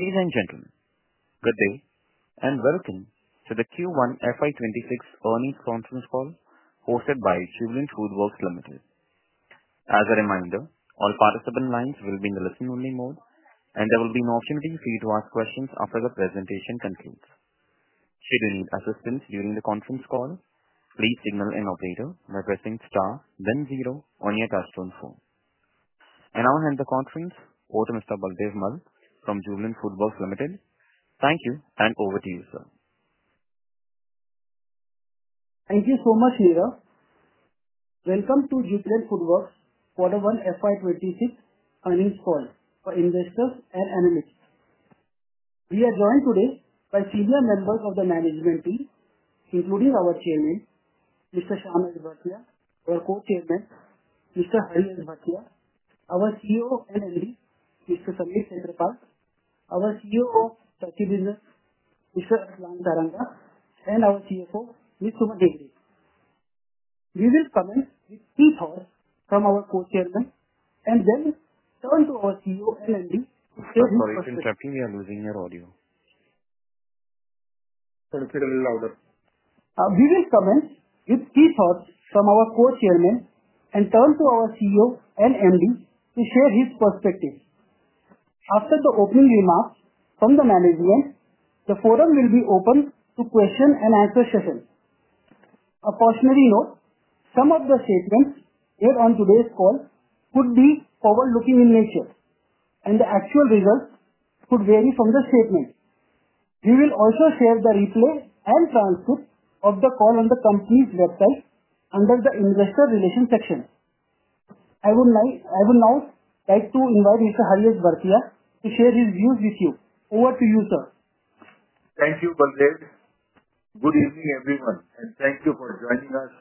Ladies and gentlemen, good day and welcome to the Q1FY26 earnings conference call hosted by Jubilant FoodWorks Limited. As a reminder, all participant lines will be in the listen only mode and there will be an opportunity for you to ask questions after the presentation concludes. Should you need assistance during the conference call, please signal an operator by requesting star then zero on your touch-tone phone. I hand the conference over to Mr. Baldev Mall from Jubilant FoodWorks Limited. Thank you and over to you, sir. Thank you so much. Meera, welcome to Jubilant FoodWorks Quarter 1 FY26 earnings call for investors and analysts. We are joined today by senior members of the management team. He lauds our Chairman. Our CEO, and really the CEO of Jubilant FoodWorks’ business. Our CFO, Suman Hegde. We will commence with three thoughts from our Co-Chairman and then turn to our CEO. We will commence its key thoughts from. Our core CNM and turn to our CEO and MD to share his perspective after the opening remarks from the management. The forum will be open to question and answer session. A cautionary note. Some of the statements here on today's. Call could be forward looking in nature. The actual results could vary from the statement. We will also share the replay and transcript of the call on the company's website. Website under the Investor Relations section. I would now like to invite Mr. Hari Bhartia to share his views with you. Over to you, sir. Thank you. Good evening, everyone, and thank you for joining us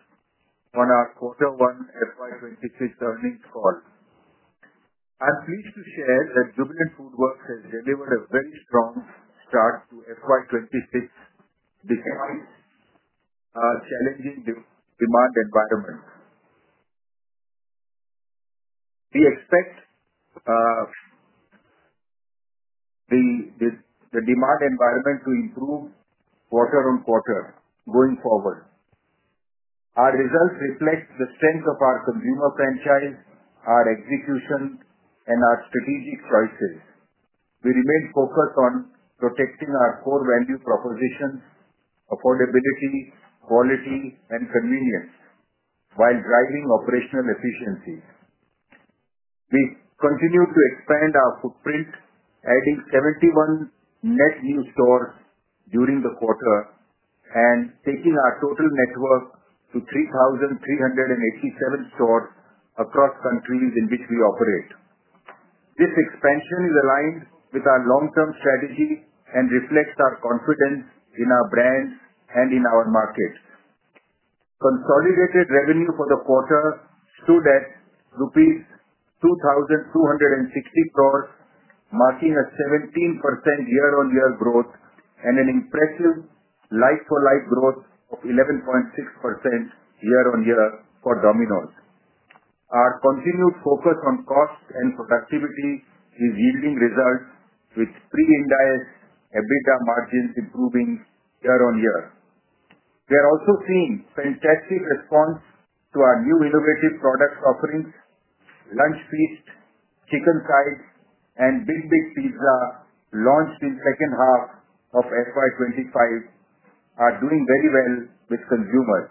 on our Q1 FY26 call. I am pleased to share that Jubilant FoodWorks' has delivered a very strong start to FY26 despite a challenging demand environment. We expect the demand environment to improve quarter on quarter going forward. Our results reflect the strength of our consumer franchise, execution, and strategic choices. We remain focused on protecting our core value proposition affordability, quality, and convenience while driving operational efficiency. We continue to expand our footprint, adding 71 new stores during the quarter and taking our total network to 3,387 stores across countries in which we operate. This expansion aligns with our long-term strategy and reflects our confidence in our brands and markets. Consolidated revenue for the quarter stood at rupees 2,260 crore, marking a 17% year on year growth and an impressive like-for-like growth of 11.6% year on year for Domino's. Our continued focus on cost and productivity is yielding results with Pre-Ind AS EBITDA margins improving year on year. We are also seeing fantastic response to our new innovative product offerings. Lunch Feast, Chicken Sides, and Big Big Pizza launched in the second half of FY25 are doing very well with consumers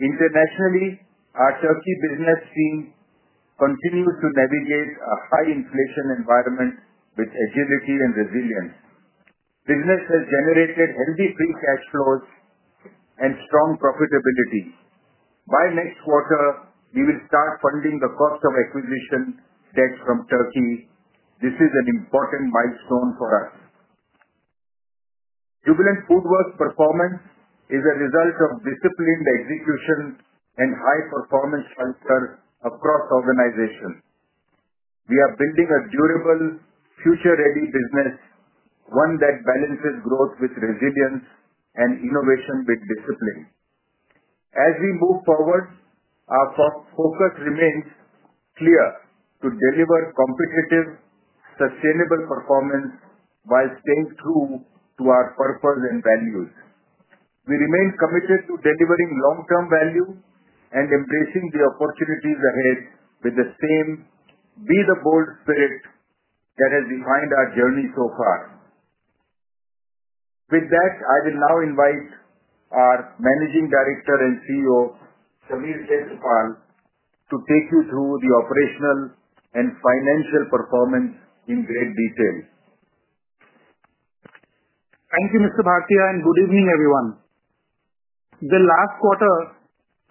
internationally. Our QSR business continues to navigate a high inflation environment with agility and resilience. The business has generated healthy free cash flows and strong profitability. By next quarter, we will start funding the cost of acquisition stake from Turkey. This is an important milestone for us. Jubilant Food Works performance is a result of disciplined execution and high performance culture across the organization. We are building a durable, future-ready business, one that balances growth with resilience and innovation with discipline. As we move forward, our focus remains clear to deliver competitive, sustainable performance by staying true to our purpose and values. We remain committed to delivering long-term value and embracing the opportunities ahead with the same bold spirit that has defined our journey so far. With that, I will now invite our Managing Director and CEO, Sameer Khetarpal, to take you through the operational and financial performance in great detail. Thank you Mr. Bhartia and good evening everyone. The last quarter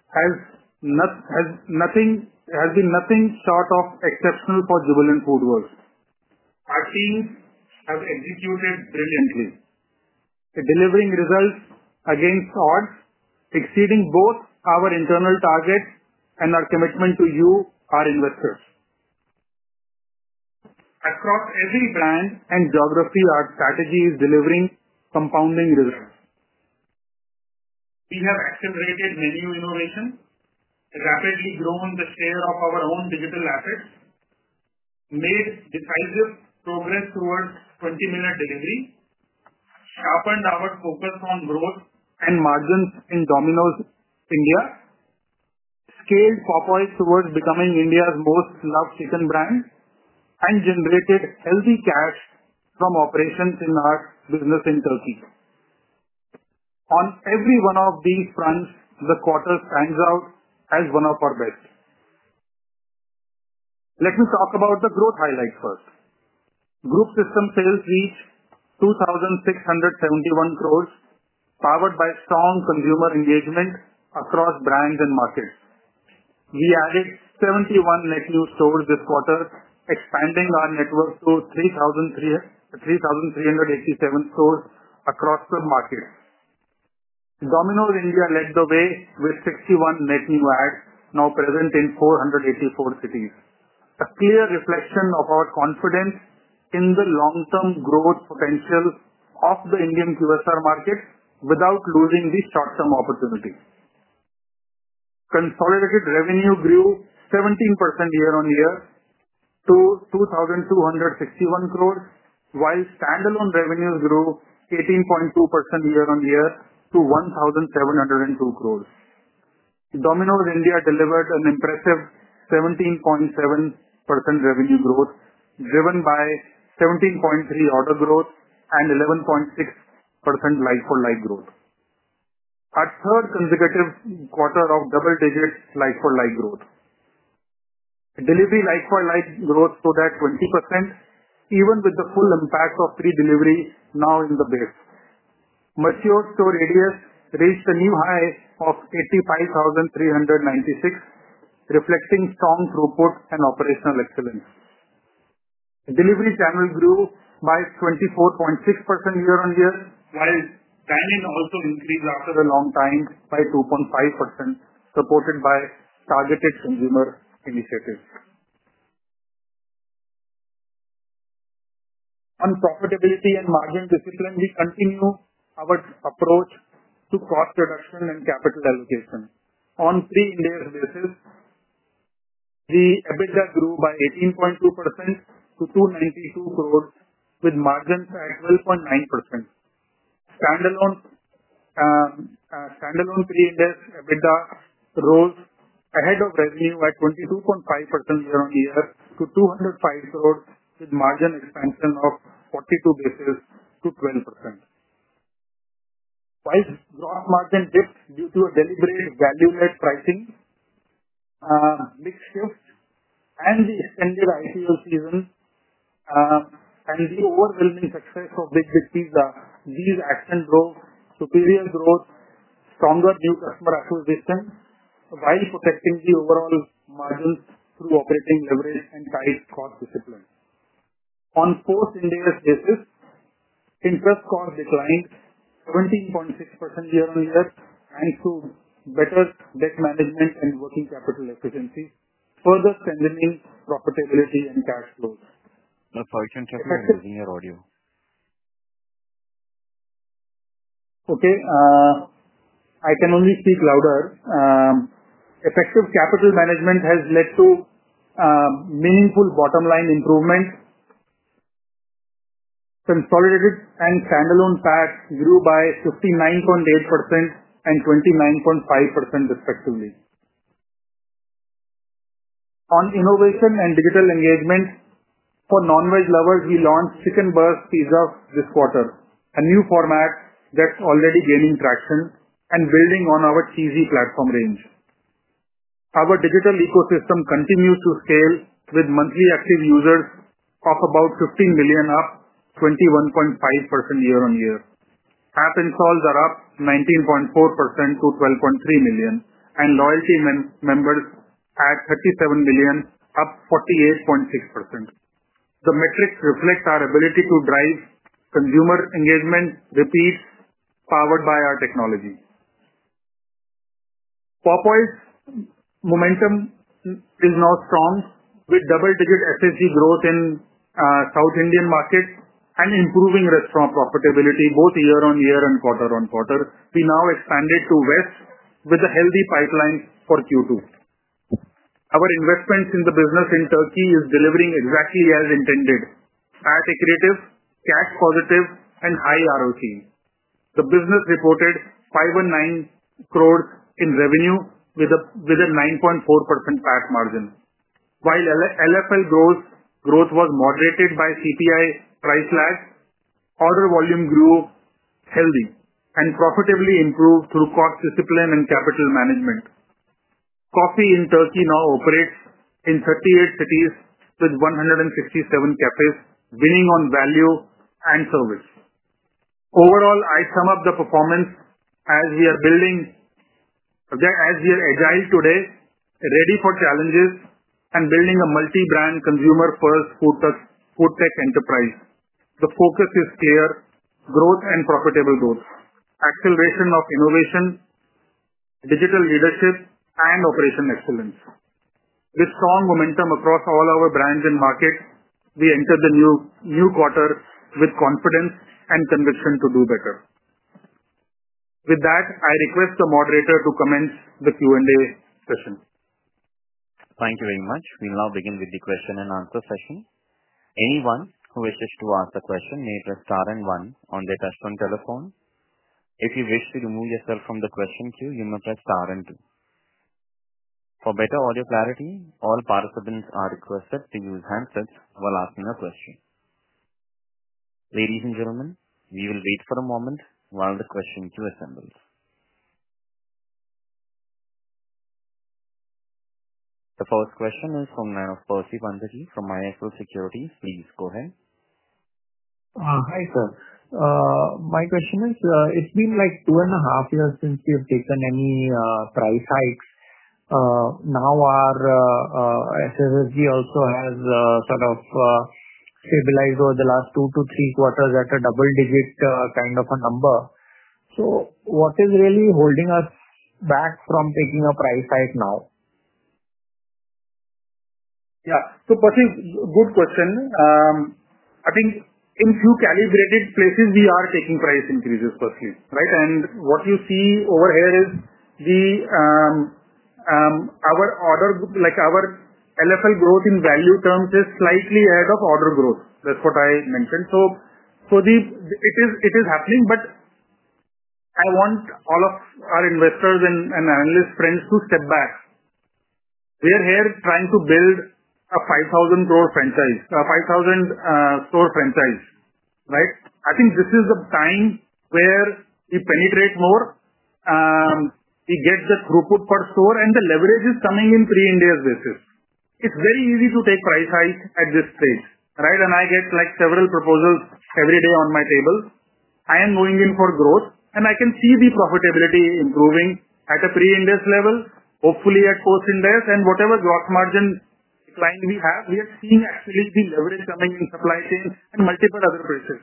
has been nothing short of exceptional for Jubilant Food Works. Our teams have executed brilliantly, delivering results against odds, exceeding both our internal targets and our commitment to you, our investors, across every brand and geography. Our strategy is delivering compounding results. We have accelerated menu innovation, rapidly grown the scale of our own digital assets, made decisive progress towards 20-minute delivery, sharpened our focus on growth and margins in Domino’s India, scaled Popeyes towards becoming India’s most loved chicken brand, and generated healthy cash from operations in our business in Turkey. On every one of these fronts, the quarter stands out as one of our best. Let me talk about the growth highlights. First, group system sales reached 2,671 crore, powered by strong consumer engagement across brands and markets. We added 71 new stores this quarter, expanding our network to 1,387 stores across our markets. Domino’s India led the way with 61 new stores and is now present in 484 cities—a clear reflection of our confidence in the long-term growth potential of the Indian QSR market without losing sight of short-term opportunities. Consolidated revenue grew 17% year on year to 2,261 crore, while standalone revenues grew 18.2% year on year to 1,702 crore. Domino's India delivered an impressive 17.7% revenue growth, driven by 17.3% order growth and 11.6% like-for-like growth. Our third consecutive quarter of double-digit like-for-like growth, delivery like-for-like growth stood at 20% even with the full impact of pre-delivery now in the base. Mature store AUVs reached a new high of 85,396, reflecting strong throughput and operational excellence. Delivery channel grew by 24.6% year on year, while dine-in also increased after a long time by 2.5%. Supported by targeted consumer initiatives on profitability and margin discipline, we continue our approach to cost reduction and capital allocation. On Pre-Ind AS basis, the EBITDA grew by 18.2% to 292 crore, with margins at 13.9%. Standalone pre-Ind AS EBITDA rose ahead of revenue by 22.5% year-on-year to 205 crore, with margin expansion of 42 basis points to 12%. Gross margin dipped due to a deliberate value-added pricing mix shift, seasonality at year-end, and the overwhelming success of Big Big Pizza. These actions drove superior growth and stronger new customer acquisition while protecting overall margins through operating leverage and strict cost discipline. On a post-Ind AS basis, interest costs declined 17.6% year-on-year due to better debt management and working capital efficiency, further strengthening profitability and cash flows. Effective capital management has led to meaningful bottom-line improvement. Consolidated and standalone PATs grew by 59.8% and 29.5%, respectively. On innovation and digital engagement, for non-veg lovers, we launched Chicken Burst Pizza this quarter a new format that’s already gaining traction and building on our Cheesy Platform range. Our digital ecosystem continues to scale with monthly active users of about 15 million, up 21.5% year on year. App installs are up 19.4% to 12.3 million and loyalty members at 37 million, up 48.6%. The metrics reflect our ability to drive consumer engagement, powered by our technology. Popeyes momentum is now strong with double-digit FSE growth in South Indian market and improving restaurant profitability both year on year and quarter on quarter. We have now expanded to West with healthy pipelines for Q2. Our investments in the business in Turkey are delivering exactly as intended as accretive, cash positive and high ROT. The business reported 519 crore in revenue with a 9.4% PAT margin. While like-for-like growth was moderated by CPI price lag, order volume grew healthy and profitability improved through cost discipline and capital management. Coffee in Turkey now operates in 38 cities with 167 cafes, winning on value and service. Overall, I sum up the performance as we are agile today, ready for challenges and building a multi-brand, consumer-first food tech enterprise. The focus is clear: growth and profitable goals, acceleration of innovation, digital leadership and operational excellence. With strong momentum across all our brands and markets, we enter the new quarter with confidence and conviction to do better. With that, I request the moderator to commence the Q&A session. Thank you very much. We now begin with the question and answer session. Anyone who wishes to ask a question may press Star and 1 on the telephone. If you wish to remove yourself from the question queue, you must press Star and 2. For better audio clarity, all participants are requested to use handsets while asking a question. Ladies and gentlemen, we will wait for a moment while the questions assemble. The first question is from Percy Panthaki from ISL Securities. Please go ahead. Hi sir, my question is it's been like two and a half years since we have taken any price hikes now. Our SSSG also has sort of stabilized over the last two to three quarters at a double digit kind of a number. What is really holding us back from taking a price right now? Yeah, good question. I think in few calibrated places we are taking price increases, firstly. What you see over here is our order, like our LFI growth in value terms, is slightly ahead of order growth. That's what I mentioned. It is happening. I want all of our investors and analyst friends to step back. We are here trying to build a 5,000 crore franchise, a 5,000 store franchise. I think this is the time where it penetrates more. It gets the throughput per store and the leverage is coming in three India's basis. It is very easy to take price hike at this stage. I get several proposals every day on my tables. I am moving in for growth and I can see the profitability improving at a Pre-Ind AS level, hopefully at post-Ind AS, and whatever gross margin decline we have, we are seeing actually the leverage coming in supply chain and multiple other places.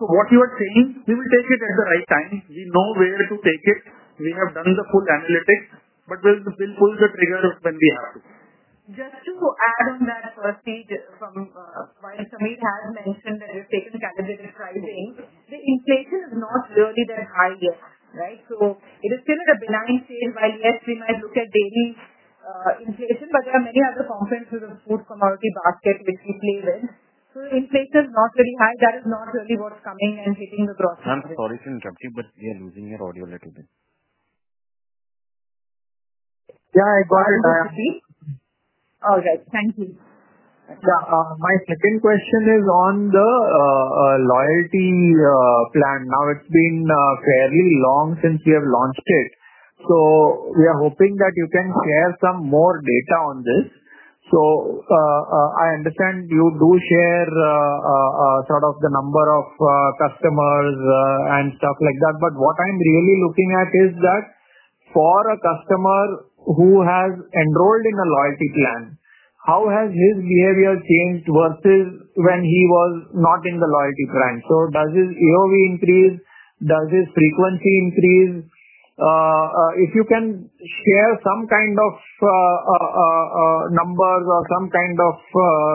What you are saying you will take. It is at the right time. We know where to take it. We have done the food analytics, but we'll pull the trigger when we have. Just to add on that first page, inflation is not really that high here, right. It is still a benign thing. While yes, we might look at daily inflation, there are many other components of the food commodity basket which we play with. Inflation is not very high. That is not really what's coming and taking the process. Sorry to interrupt you, but you're losing your audio a little bit. Yeah. All right, thank you. My second question is on the loyalty plan. Now it's been fairly long since we have launched it. We are hoping that you can share some more data on this. I understand you do share sort of the number of customers and stuff like that. What I'm really looking at is that for a customer who has enrolled in a loyalty plan, how has his behavior changed versus when he was not in the loyalty plan? Does his EOV increase, does his frequency increase? If you can share some kind of numbers or some kind of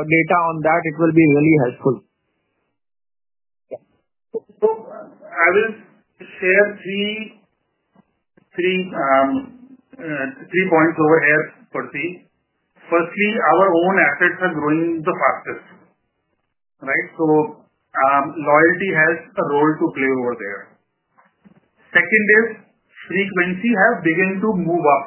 data on that, it will be really helpful. I will share three things, three points over here. Firstly, our own assets are growing the fastest, right. Loyalty has a role to play over there. Second is frequency has begun to move up.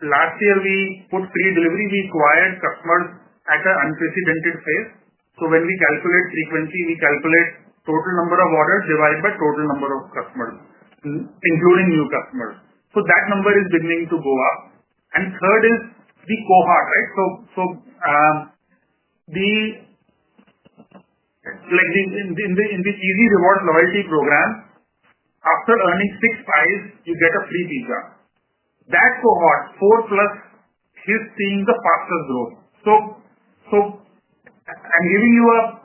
Last year we put pre-delivery, we acquired at an unprecedented pace. When we calculate frequency, we calculate total number of orders divided by total number of customers, including new customers. That number is beginning to go up. Third is the cohort, right. In the Cheesy Rewards loyalty program, after earning six pies you get a free pizza. That cohort keeps seeing the partial growth. I'm giving you an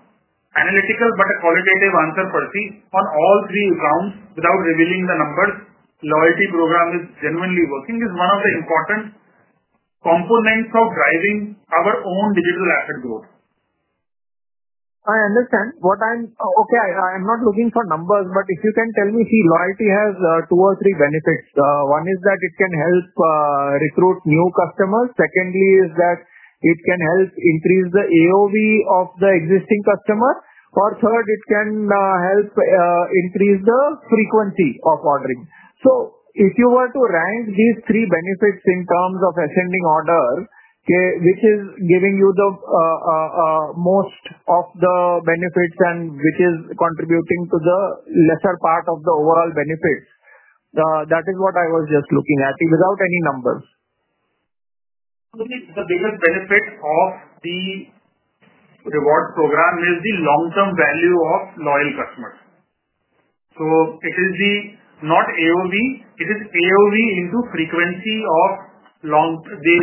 analytical but a qualitative answer on all three examples without revealing the numbers. Loyalty program is genuinely working and is one of the important components of driving our own digital asset growth. I understand what I'm okay, I'm not looking for numbers, but if you can tell me. See, loyalty has two or three benefits. One is that it can help recruit new customers. Secondly, it can help increase the AOV of the existing customer, and third, it can help increase the frequency of ordering. If you were to rank these three benefits in terms of ascending order, which is giving you the most of the benefits and which is contributing to the lesser part of the overall benefits? That is what I was just looking at without any numbers. The biggest benefit of the reward program is the long-term value of loyal customers. It is not AOV, it is AOV x frequency of the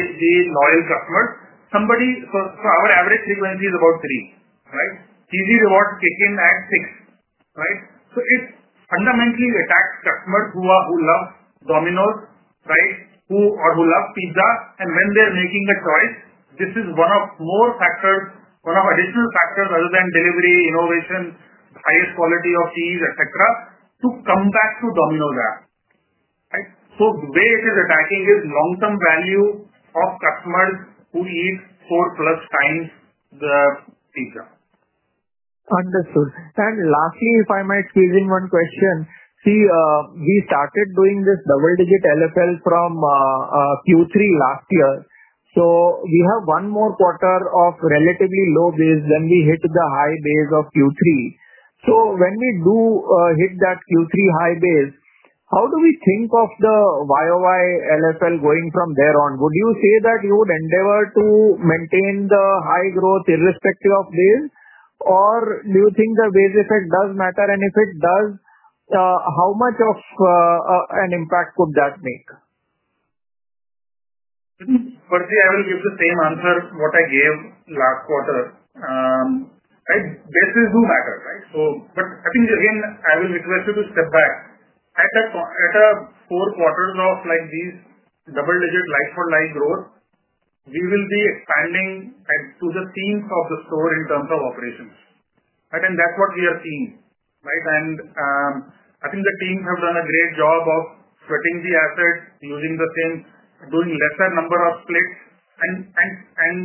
loyal customers. For our average frequency, it is about three. Cheesy Rewards kick in at six. It fundamentally attracts customers who love Domino's, who love pizza, and when they're making the choice, this is one of more factors, one of additional factors other than delivery innovation, the highest quality of fees, etc., to come back to Domino's. So where it is attacking is long term value of customers who is four plus times the feed draft. Understood. Lastly, if I might squeeze in one question. See, we started doing this double digit LFL from Q3 last year, so you have one more quarter of relatively low days when we hit the high base of Q3. When we do hit that Q3 high base, how do we think of the yoy LFL going from there on? Would you say that you would endeavor to maintain the high growth irrespective of this, or do you think the base effect does matter? If it does, how much of an impact could that make? I will give the same answer what I gave last quarter. This does matter, right. I think again I will request you to step back at a four quarter now like these double digit like-for-like growth. We will be expanding to the theme of the store in terms of operations, right? That's what we are seeing, right. I think the team have done a great job of sweating the assets, using the thing, doing lesser number of splits, and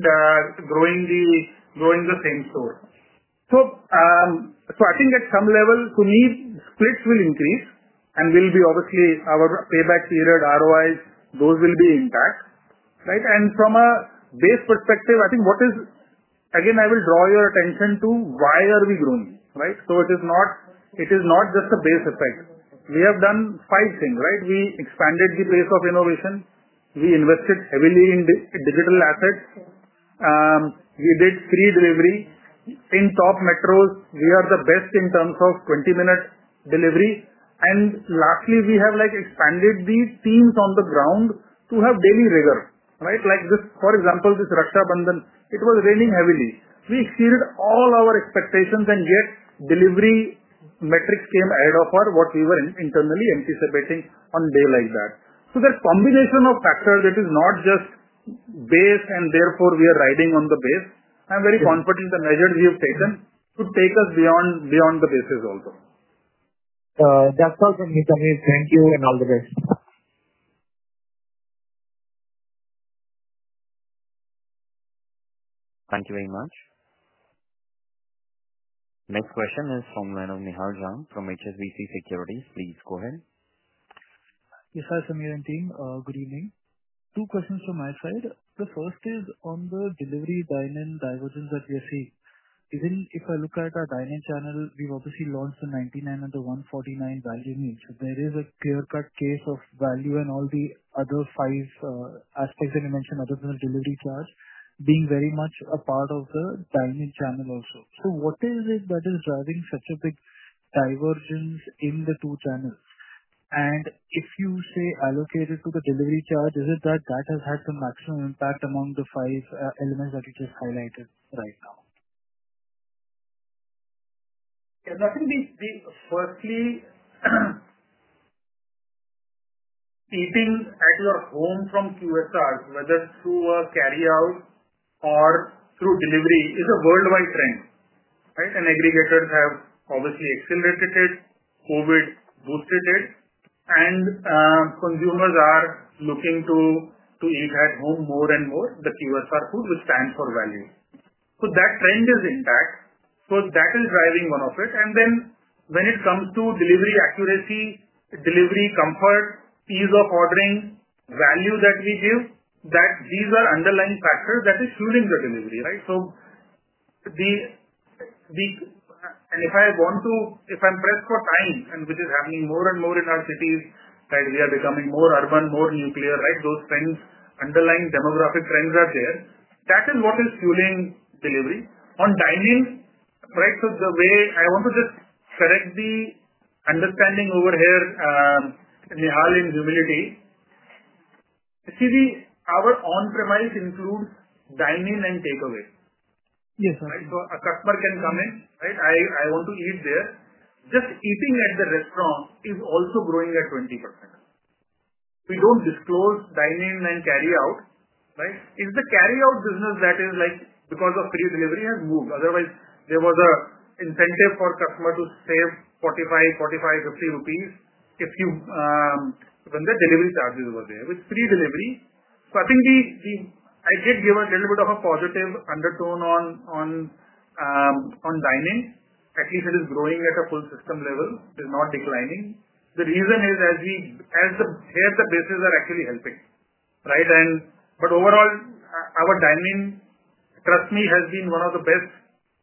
growing the same store. I think at some level splits will increase and will be obviously our payback period ROIs. Those will be intact, right? From a base perspective, I think what is again I will draw your attention to why are we growing, right? It is not just the base effect. We have done five things right. We expanded the pace of innovation. We invested heavily in digital assets. We did free delivery in top metros. We had the best in terms of 20 minute delivery. Lastly, we have like expanded the teams on the ground to have daily rigor, right. Like this for example this Raksha Bandhan. It was raining heavily. We exceeded all our expectations and yet delivery metrics came ahead of what we were internally anticipating on day like that. There's combination of factors. It is not just base and therefore we are riding on the base. I'm very confident the measures we have taken could take us beyond the base also. That's all from me. Thank you and all the rest. Thank you very much. Next question is from Reynold Nihar Zam from ISL Securities. Please go ahead. Yes. Hi Sameer and team. Good evening. Two questions from my side. The first is on the delivery binance divergence of yesterday. Even if I look at our dine in channel we've obviously launched the 99 under 149 value niche. There is a clear packed chase of value and all the other five as per the minimums and other delivery charge being very much a part of the channel also. What is this that is driving such a big divergence in the two channels and if you say allocated to the delivery charge, is it that that has had the maximum impact among the five elements that you highlighted right now? Firstly, eating at your home from QSR, whether through a carryout or through delivery, is a worldwide trend, right, and aggregators have obviously accelerated, Covid boosted it, and consumers are looking to eat at home more and more. The QSR food, which stands for value, so that trend is intact. That is driving one of it. When it comes to delivery accuracy, delivery comfort, ease of ordering, value that we give, these are underlying factors that are fueling the delivery. If I'm pressed for time, which is happening more and more in our cities as we are becoming more urban, more nuclear, those underlying demographic trends are there. That is what is fueling delivery on dine-ins. The way I want to just select the understanding over here, Nihal, in humility, see our on-premise includes dine-in and takeaway. Yes, a customer can come in. I want to eat there. Just eating at the restaurant is also growing at 20%. We don't disclose dine-in and carryout. It is the carryout business that is, because of free delivery, has moved. Otherwise, there was an incentive for a customer to save 45 rupees to 50 rupees when the delivery charge is over there. With free delivery, I did give a little bit of a positive undertone on dining; at least it is growing at a full system level, not declining. The reason is, as we see here, the bases are actually helping, but overall our dine-in, trust me, has been one of the best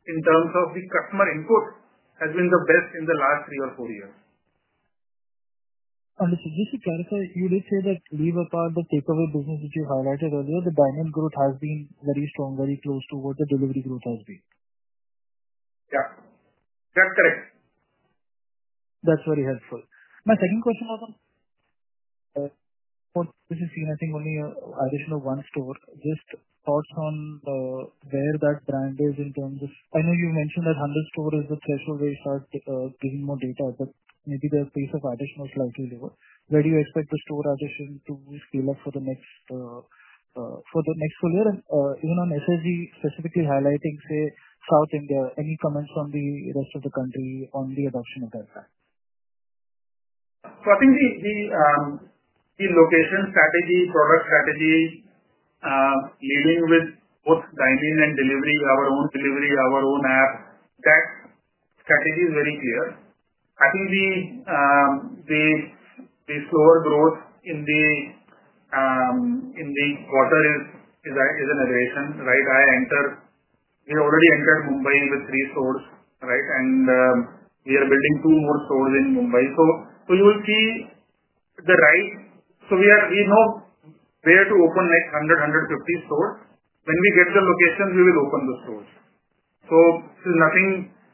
in terms of the customer input, has been the best in the last three or four years. Just to clarify, you did say that. Leave apart the takeaway business which you highlighted earlier, the dine-in growth has been very strong, very close to what the delivery growth has been. That's correct. That's very helpful. My second question, which is, I think, only additional one store, just thoughts on where that brand is in terms of, I know you mentioned that 100 store is successful, where you start giving more data, but maybe the pace of addition is slightly lower. Where do you expect the store addition to scale up for the next, specifically highlighting South India? Any comments from the rest of the country on the adoption? I think the location strategy, product strategy, dealing with both dine-in and delivery, our own delivery, our own app, that strategy is very clear. I think the slower growth in the quarter is a narration, right? We already entered Mumbai with three stores, and we are building two more stores in Mumbai. You will see the right, so we know where to open, like 150 stores. When we get the location, we will open the stores.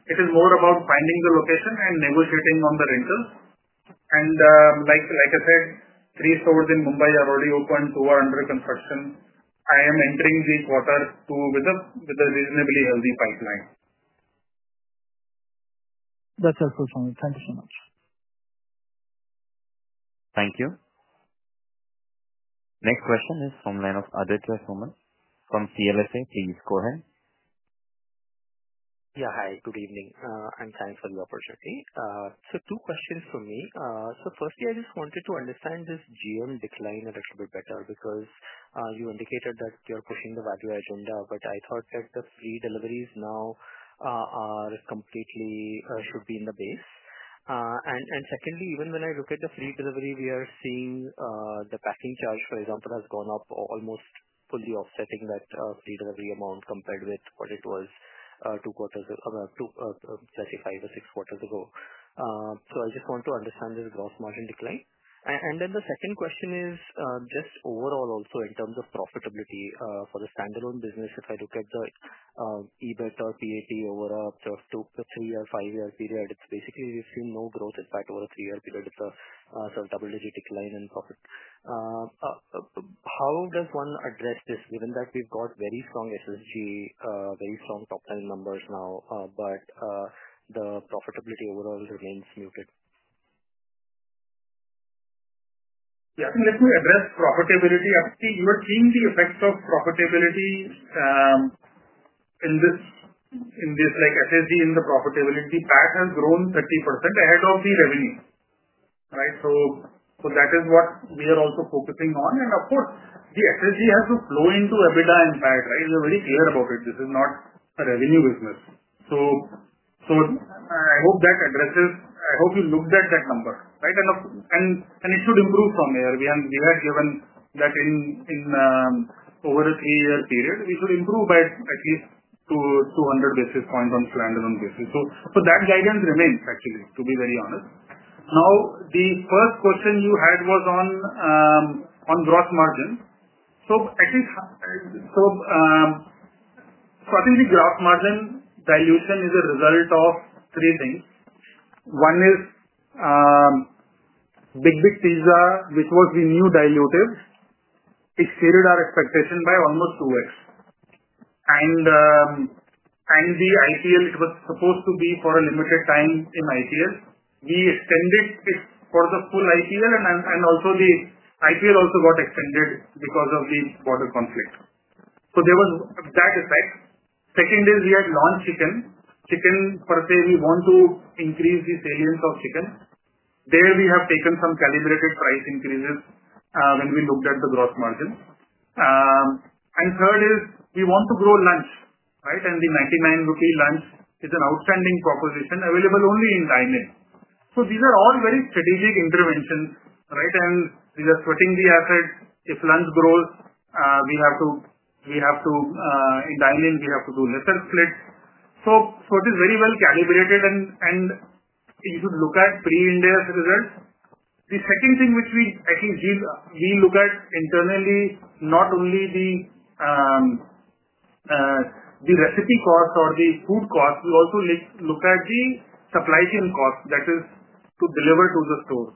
It is more about finding the location and negotiating on the rental. Like I said, three stores in Mumbai are already open. Two are under construction. I am entering the quarters two with a reasonably healthy pipeline. That's your question. Thank you so much. Thank you. Next question is from the line of Aditra Suman from CLSA. Please go ahead. Yeah, hi, good evening and thanks for the opportunity. Two questions for me. Firstly, I just wanted to understand this GM decline a little bit better because you indicated that you're pushing the value add, but I thought that the free deliveries now are completely, should be in the base. Secondly, even when I look at the free delivery, we are seeing the packing charge, for example, has gone up, almost fully offsetting that free delivery amount compared with what it was two quarters, specifically the six quarters ago. I just want to understand this gross margin decline. The second question is just overall also in terms of profitability for the standalone business. If I look at the EBIT or PAT over the three-year, five-year period, it's basically we've seen no growth impact over a three-year period. It's a double-digit decline in profit. How does one address this, even that we've got very strong SSG, very strong top line numbers now, but the profitability overall against Nugget. Let me address profitability. You are seeing the effects of profitability in this. In this, like SSG in the profitability pack has grown 30% ahead of the revenue. That is what we are also focusing on. Of course, the SSG has to flow into EBITDA impact. We are very clear about it. This is not a revenue business. I hope that addresses. Hope you looked at that number right enough, and it should improve from here. We have given that in. Over a three-year period we should improve by at least 2200 basis points on standalone basis. That guidance remains, actually, to be very honest. Now, the first question you had was on gross margins. Actually, scoping the gross margin dilution is a result of three things. One is Big Big Pizza because we knew dilutive exceeded our expectation by almost two weeks and the IPL, it was supposed to be for a limited time in IPL, for the full IPL, and also the IPL also got extended because of the border conflict. There was that aside. Second is we had launched chicken, chicken per se. We want to increase the salience of chicken there. We have taken some calibrated price increases when we looked at the gross margin. Third is we want to grow lunch, and the 99 rupee lunch is an outstanding proposition available only in Domino's. These are all very strategic interventions, and these are switching the assets. If lunch grows, we have to dial in, we have to do lesser split. It is very well calibrated, and you should look at pre-Ind AS results. The second thing which we, I think, we look at internally, not only the recipe cost or the food cost, we also look at the supply chain cost that is to deliver to the store.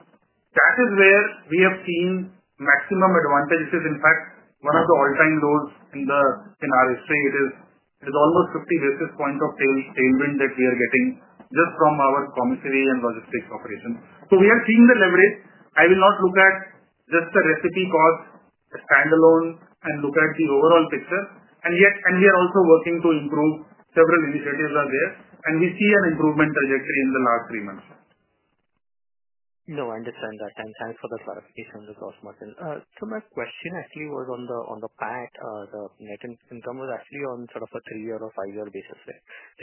That is where we have seen maximum advantages. In fact, one of the all-time lows in our history, it is almost 50 basis points of tailwind that we are getting just from our commissary and logistics operations, so we are seeing the leverage. I will not look at just a recipe for standalone and look at the overall picture, and yet we are also working to improve. Several initiatives are there, and we see an improvement trajectory in the last three months. I understand that, and thanks for the clarification. Resource Martin, so my question actually was on the PAT. The net income was actually on sort of a three-year or five-year basis.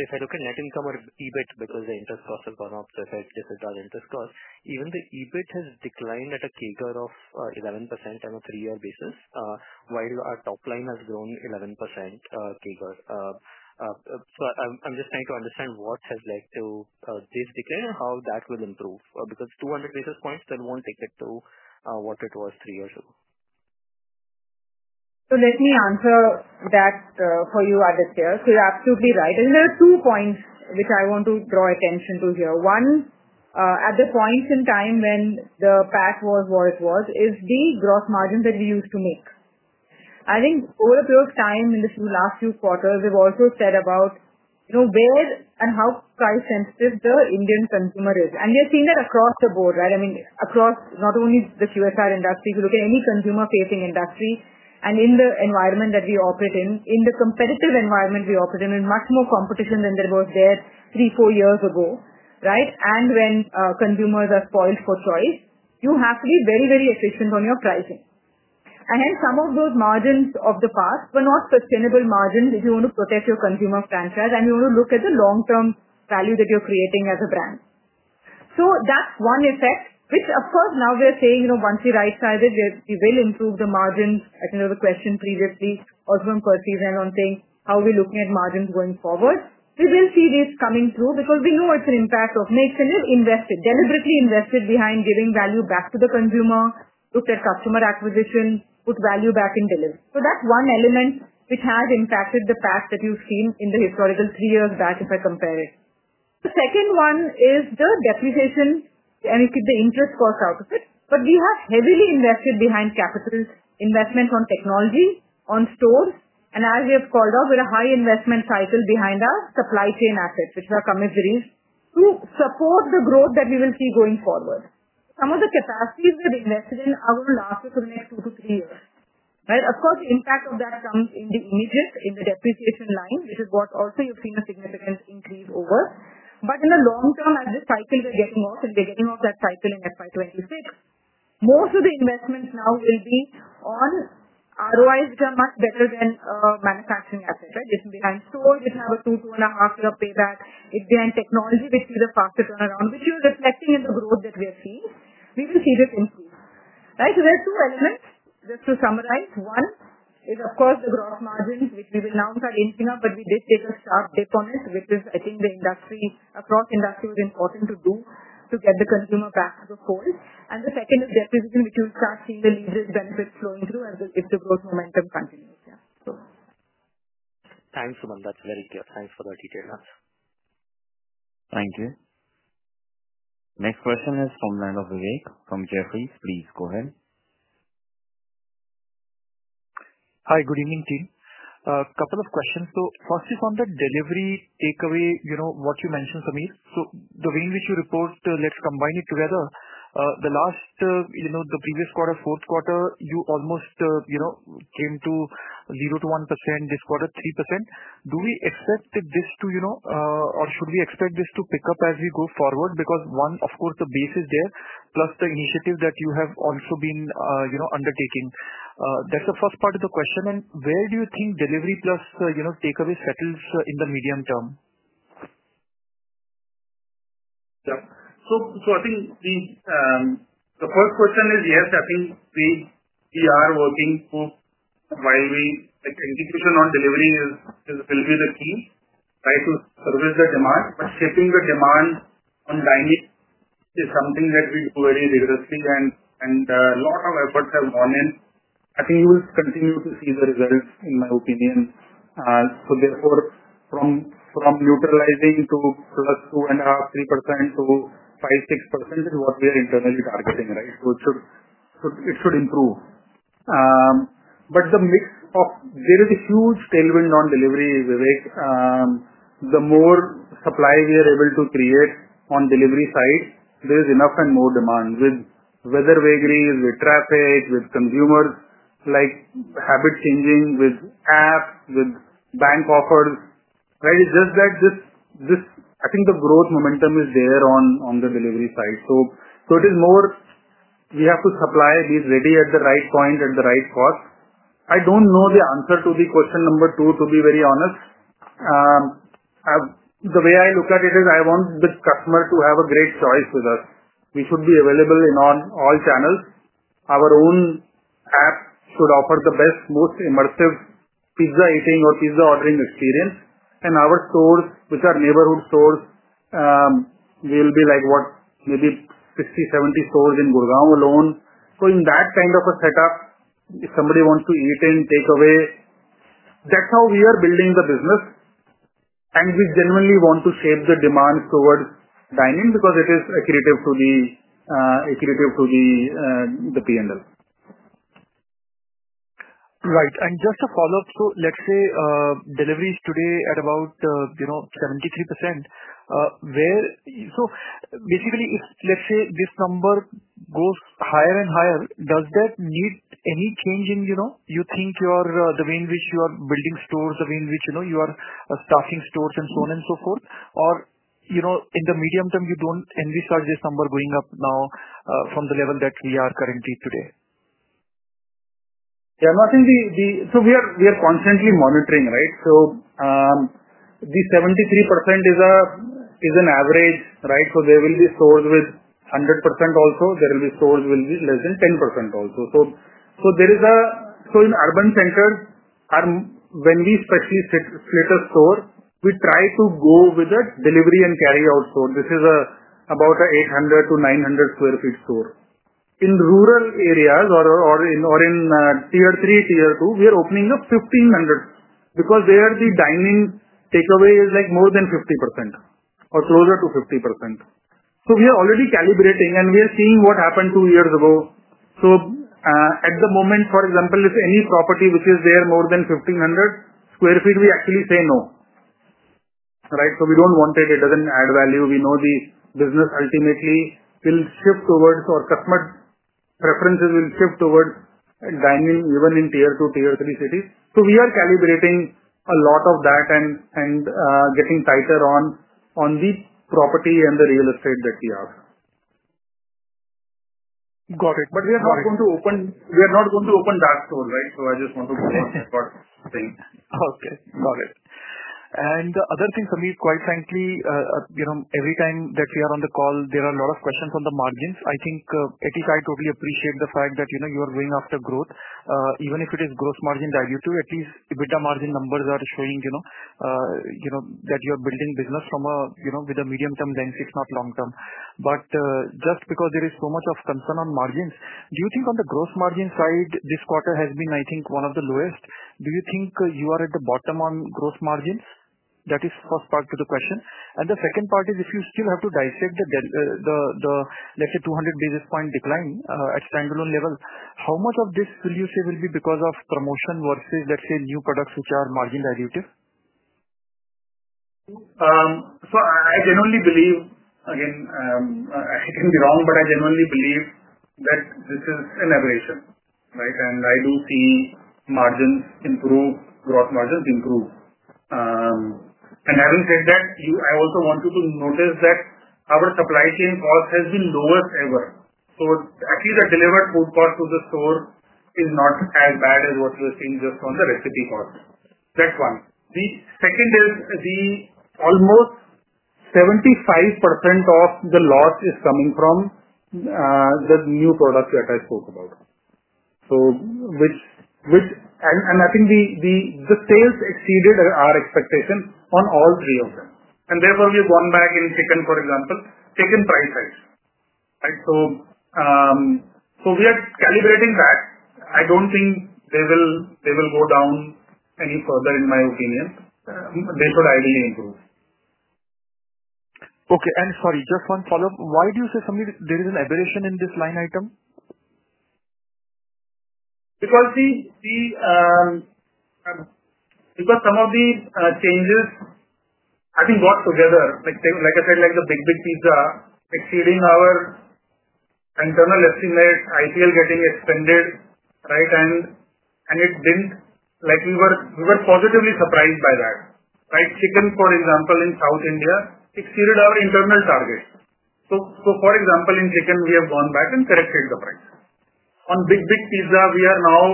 If I look at net income or EBIT because the interest cost has gone up, even the EBIT has declined at a CAGR of 11% on a three year basis while our top line has grown 11%. I'm just trying to understand what has led to this decay and how that will improve because 200 basis points still won't take it to what it was three years ago. Let me answer that for you, Aditya. You're absolutely right and there are two points which I want to draw attention to here. One, at the points in time when the path was what it was is the gross margin that we used to make. I think over a period of time in the last few quarters we've also said about where and how price sensitive the Indian consumer is and we're seeing that across the board, right? I mean across not only the QSR industry, if you look at any consumer-facing industry and in the environment that we operate in, in the competitive environment we operate in, much more competition than there was three, four years ago, right? When consumers are spoiled for choice you have to be very, very efficient on your pricing and some of those margins of the past were not sustainable margins if you want to protect your consumer transfers and you want to look at the long-term value that you're creating as a brand. That's one effect which of course now they're saying once we right size it, we will improve the margins. I think of the question previously also, how are we looking at margins going forward? We will see this coming through because we know it's an impact of mix and we've invested, deliberately invested behind giving value back to the consumer. Look at customer acquisition, put value back in delivery. That's one element which has impacted the past that you've seen in the historical three years batch. If I compare it, the second one is the depreciation and you keep the interest cost out of it. We have heavily invested behind capital investment on technology, on stores and as we have called off with a high investment cycle behind our supply chain assets, which are commissaries to support the growth that we will see going forward. Some of the capacities we've invested in are going to last for the next two to three years. Of course, the impact of that comes in the images in the depreciation line, which is what also you've seen a significant increase over. In the long term as the cycles are getting off and they're getting off that cycle in FY2026, most of the investments now will be on ROIs which are much better than manufacturing assets. Right. They can be buying stores. It's about two, two and a half year payback, and technology, we see the faster turnaround, which is reflecting in the growth that we are seeing. We will see this improve. Right. There are two elements, just to summarize. One is, of course, the gross margins, which we will now have in, but we did take a sharp dip on it, which is, I think, the industry across industries, important to do to get the consumer back to the call. The second is definitely, which you'll start seeing, the leisure benefits flowing through, and it's the growth, momentum, fragility. Thanks, that's very clear. Thanks for that detail. Thank you. Next question is from Nihal Jham, from Jefferies. Please go ahead. Hi, good evening team. A couple of questions. First is on the delivery takeaway. You know what you mentioned Sameer, the way which you report, let's combine it together. The last, you know, the previous quarter, fourth quarter you almost, you know, came to 0 to 1%. This quarter, 3%. Do we expect this to, you know, or should we expect this to pick up as we go forward? Forward because one, of course the base is there plus the initiative that you have also been, you know, undertaking. That's the first part of the question and where do you think delivery plus, you know, takeaway settles in the medium term? I think the first question is yes, I think we are working for while we execution or delivering is a fill with the team try to reduce the demand. Shaping the demand on dynamic is something that we do very rigorously and a lot of efforts have gone in. I think you will continue to see the results in my opinion. Therefore, from neutralizing to plus 2.5% to 3% to 5% to 6% is what we are internally targeting. Right. It should improve but the mix of there is a huge tailwind on delivery, Vivek. The more supply we are able to create on delivery side, there is enough and more demand with weather vagaries, with traffic, with consumers like habit changing with apps, with bank hawkers. I think the growth momentum is there on the delivery side. It is more you have to supply these ready at the right point at the right cost. I don't know the answer to the question number two to be very honest. The way I look at it is I want the customer to have a great choice with us. We should be available in on all channels. Our own app should offer the best, most immersive pizza eating or pizza ordering experience. Our stores, which are neighborhood stores, there'll be like what maybe 50, 70 stores in Gurgaon alone. In that kind of a setup, if somebody wants to eat in takeaway, that's how we are building the business and we genuinely want to shape the demand towards dine in because it is accretive to the P&L. Right. Just a follow up, let's say deliveries today at about, you know, 73%. So basically if, let's say, this number goes higher and higher, does that need any change in, you know, you think you are the way in which you are building stores, the way in which, you know, you are staffing stores and so on and so forth. In the medium term, you don't envisage this number going up from the level that we are currently today. Yeah, nothing. We are constantly monitoring. The 73% is an average. There will be stores with 100% also, there will be stores with less than 10% also. In urban centers, when we specifically set a store, we try to go with a delivery and carryout store. This is about an 800-900 sq ft store. In rural areas or in tier 3, tier 2, we are opening up 1,500 stores because there the dine-in takeaway is more than 50% or closer to 50%. We are already calibrating and we are seeing what happened two years ago. At the moment, for example, if any property is more than 1,500 sq ft, we actually say no. We don't want it. It doesn't add value. We know the business ultimately will shift towards our customers' preferences, will shift towards dine-in even in tier 2, tier 3 cities. We are calibrating a lot of that and getting tighter on the property and the real estate that we have. Got it. We are not going to open that store. I just want to start seeing. Okay, got it. The other thing is, quite frankly, every time that we are on the call, there are a lot of questions on the margins. I totally appreciate the fact that you are going after growth even if it is gross margin dilutive. At least EBITDA margin numbers are showing that you are building business from a medium term, not long term, but just because there is so much concern on margins. Do you think on the gross margin side, this quarter has been, I think, one of the lowest? Do you think you are at the bottom on gross margins? That is the first part of the question. The second part is, if you still have to dissect the, let's say, 200 basis point decline at standalone, how much of this would be because of promotion versus, let's say, new products which are margin dilutive? I genuinely believe, again I can be wrong, but I genuinely believe that this is an aberration. I do see margins improve, gross margins improve. Having said that, I also want you to notice that our supply chain cost has been lowest ever. Actually, the delivered food cost to the store is not as bad as what you're seeing just on the recipe cost. That's one. The second is the almost 75% of the lot is coming from the new product that I spoke about. I think the sales exceeded our expectation on all three of them, and therefore we have gone back in second. For example, chicken price. We are celebrating that. I don't think they will go down any further. In my opinion, they could ideally improve. Okay. Sorry, just one follow up. Why do you say something? There is an aberration in this line item. Because some of the changes I think work together, like I said, like the Big Big Pizza exceeding our internal estimate, IPL getting extended. It didn't, like we were, we were positively surprised by that. Chicken, for example, in South India exceeded our internal target. For example, in chicken, we have gone back and corrected the price on Big Big Pizza. We are now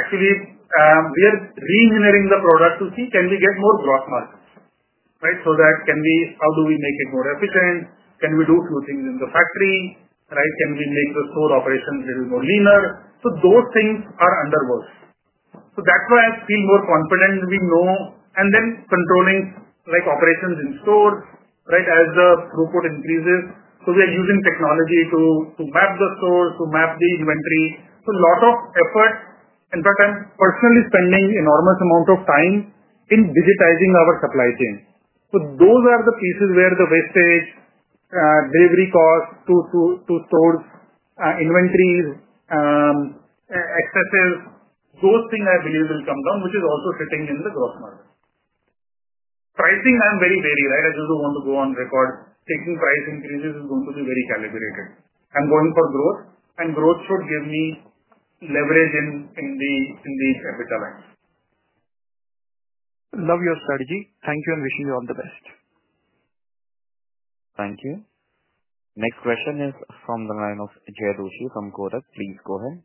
actually re-engineering the product to see can we get more gross margins. That can be how do we make it more efficient? Can we do few things in the factory? Can we make the core operation a little more leaner? Those things are underway. That's why I feel more confident we know, and then controlling like operations in store. As the throughput increases, we're using technology to map the store, to map the inventory. Lot of effort. In fact, I'm personally spending enormous amount of time in digitizing our supply chain. Those are the pieces where the wastage, delivery cost to store, inventories, excesses, those things are released in chunk, which is also sitting in the gross margin pricing. I'm very varied. I just don't want to go on record. Taking price increases is going to be very calibrated, and going for growth and growth should give me leverage in the strategy. Thank you and wishing you all the best. Thank you. Next question is from the line of Jaya Dothi from Kotak. Please go ahead.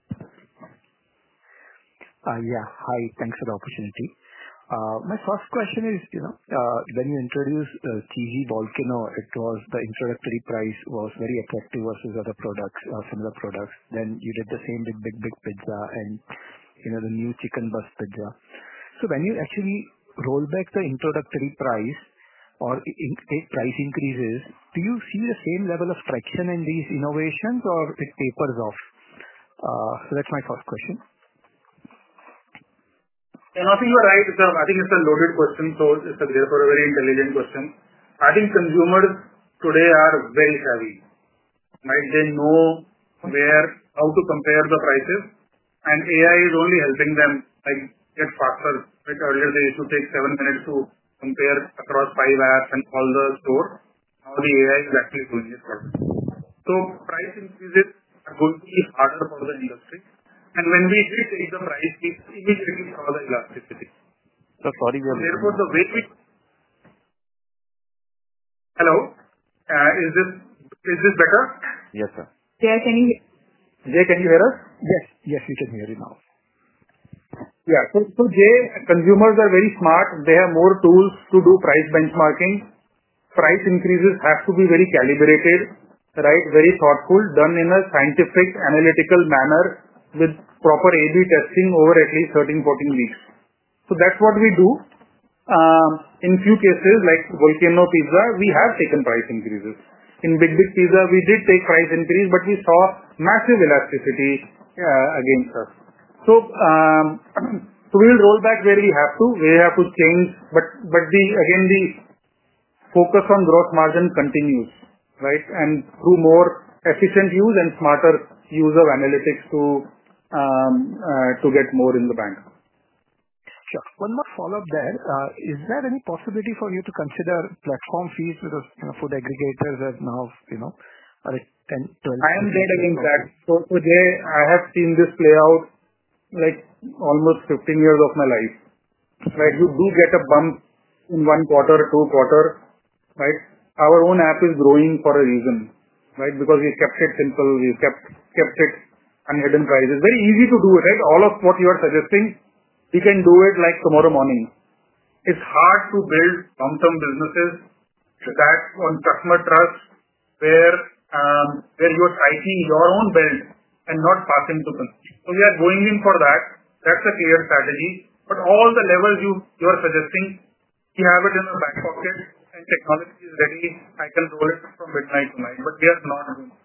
Yeah. Hi. Thanks for the opportunity. My first question is, you know, when you introduce Cheesy Volcano, the introductory price was versus other products or similar products. Then you did the same with Big Big Pizza and the new Chicken Burst Pizza. When you actually roll back the introductory price or take price increases, do you see the same level of friction in these innovations or it tapers off? That's my first question. You're right. I think it's a loaded question. It's a very intelligent question. I think consumers today are very savvy. They know where, how to compare the prices and AI is only helping them get faster. Earlier they used to take seven minutes to compare across five apps and all the stores. Now the AI is actually producing. Price increases are going to be harder for the industry. When we retake the price, it's immediately all the elasticity. Hello, is this, is this Becca? Yes sir. Can you hear us? Yes, yes, you can hear it now. Yeah. Consumers are very smart. They have more tools to do price benchmarking. Price increases have to be very calibrated, very thoughtfully done in a scientific, analytical manner with proper A/B testing over at least 13, 14 weeks. That's what we do. In a few cases like Voipiano Pizza, we have taken price increases. In Big Big Pizza, we did take price increase but we saw massive elasticity against us. We'll roll back where we have to, we have to change. The focus on gross margin continues, and through more efficient use and smarter use of analytics to get more in the bank. One more follow up there. Is there any possibility for you to consider platform fees? Food aggregators are now, you know, I am dead against that today. I have seen this play out like almost 15 years of my life. You do get a bump in one quarter, two quarters, right. Our own app is growing for a reason, right, because we kept it simple, we kept it transparent pricing. It's very easy to do it, right. All of what you are suggesting, we can do it like tomorrow morning. It's hard to build long term businesses on customer trust where you are tightening your own belt and not passing to them. We are going in for that. That's a clear strategy. All the levers you are suggesting, you have it in the back pocket and technology is ready. I can do it from midnight to noon o from night to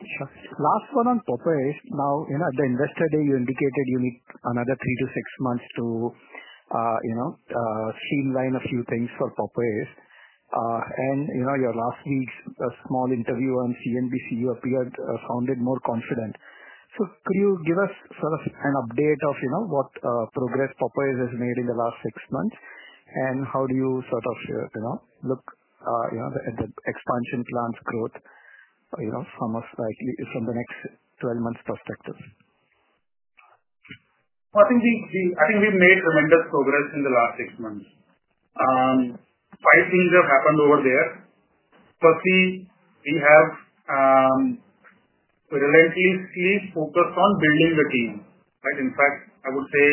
morning. Last one on Popeyes. Now, at the investor day you indicated you need another three to six months to streamline a few things for Popeyes. Your last week's small interview on CNBC, you appeared, sounded more confident. Could you give us sort of an update of what progress Popeyes has made in the last six months and how do you look at the expansion plans, growth, from the next 12 months perspective? I think we've made tremendous progress in the last six months. Five things have happened over there. Firstly, we have seen focus on building the team. Right. In fact, I would say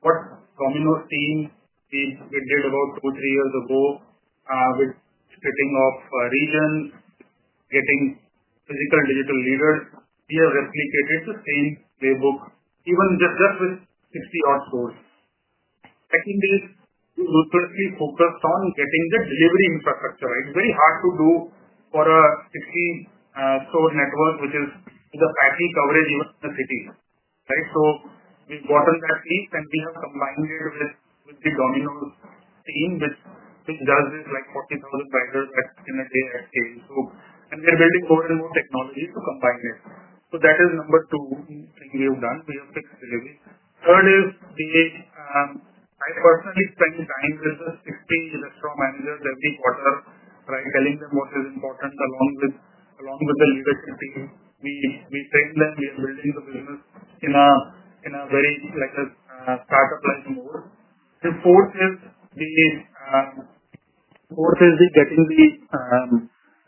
what Domino's team, we did about two, three years ago with splitting of region, getting physical digital leaders. We have replicated the same playbook even just with 60 odd stores. Second is ruthlessly focused on getting the delivery infrastructure. It's very hard to do for a 60 store network, which is the patchy coverage even the city, right. We've gotten that. These continue combined with the Domino's team, which does reach like 40,000 prices in a day at stage, and we are building four and more technology to combine it. That is number two, excuse me. Third is the unfortunately strength line with the 60 restaurant managers every quarter telling them what is important along with the leadership team. We tell them we are building the business in a very like a startup. The fourth is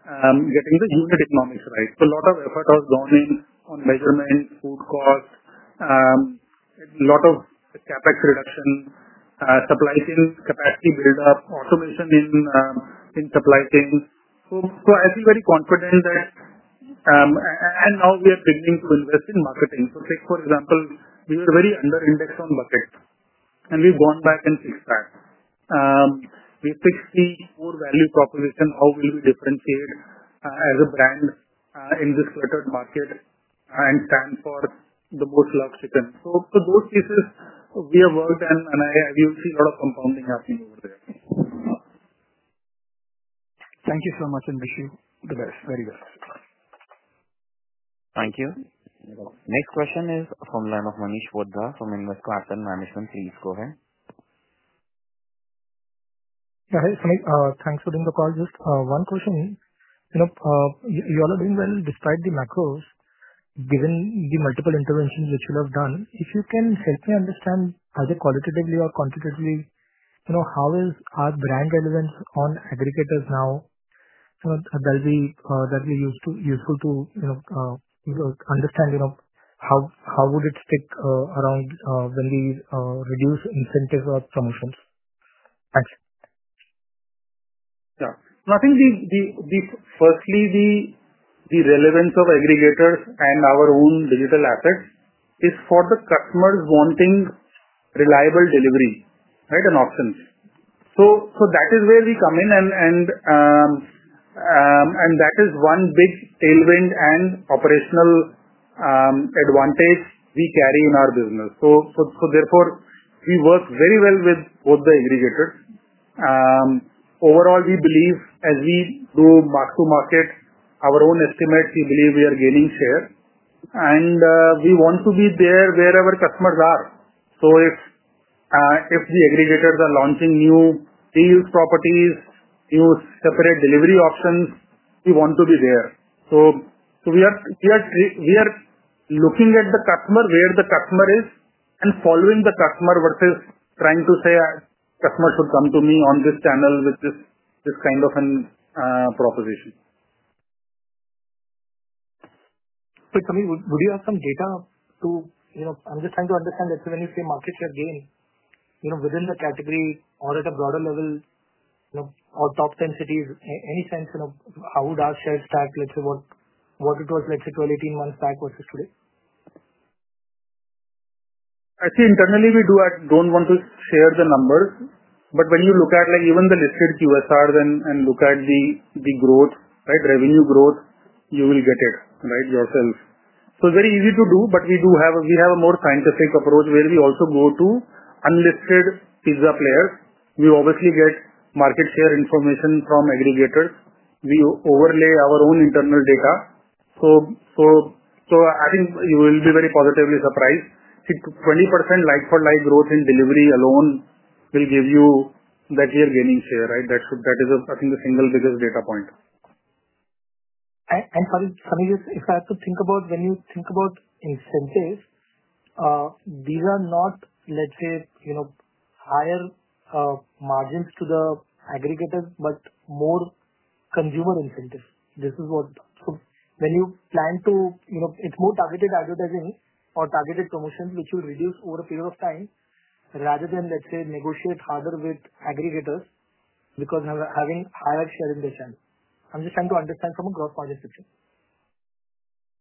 getting the unit economic rise. A lot of effort was gone in on measurement, food costs, a lot of capex reduction, supply chain capacity buildup, automation in supply chains. I feel very confident that now we are beginning to invest in marketing. Take for example, we were very under indexed on bucket and we've gone back and fixed that. We fixed the core value proposition. How will we differentiate as a brand in this sweatered market and stands for the most loved chicken. For those cases, we have worked and I will see a lot of things happening. Thank you so much and wish you the best. Very best. Thank you. Next question is from line of Manish from Investing. Yeah, thanks for doing the call. Just one question is, you know, you all are doing well despite the macros given the multiple interventions which you have done. If you can help me understand, are they qualitatively or quantitatively, you know, how is our brand relevance on aggregators now? That'll be useful to understand, you know, how would it stick around when we reduce incentives or promotions. Thanks. Yeah, I think firstly the relevance of aggregators and our own digital assets is for the customers wanting reliable delivery and options. That is where we come in and that is one big tailwind and operational advantage we carry in our business. Therefore, we work very well with both the aggregators overall. We believe as we do mark to market our own estimates, we believe we are gaining share and we want to be there wherever customers are. If the aggregators are launching new deals, properties use separate delivery options, we want to be there. We are looking at the customer, where the customer is and following the customer versus trying to say customer should come to me on this channel with this kind of a proposition. Would you have some data to, you know, I'm just trying to understand that when you say market share gain, you know, within the category or at a broader level or top 10 cities, any sense, you know, how would our shares track. Let's say what it was like 18 months back versus today. I see internally we don't want to share the numbers but when you look at like even the listed QSR then and look at the growth, right, revenue growth, you will get it right yourselves. Very easy to do. We do have a more scientific approach where we also go to unlisted pizza players. We obviously get market share information from aggregators. We overlay our own internal data. I think you will be very positively surprised. See, 20% like-for-like growth in delivery alone will give you that you're gaining share. That is, I think, the single biggest data point. Sorry if I have to think about it. When you think about incentives, these are not, let's say, higher margins to the aggregators but more consumer incentives. This is what, when you plan to, you know, it's more targeted advertising or targeted promotion which will reduce over a period of time rather than, let's say, negotiate harder with aggregators because I'm having higher share in this end. I'm just trying to understand from a gross margin section.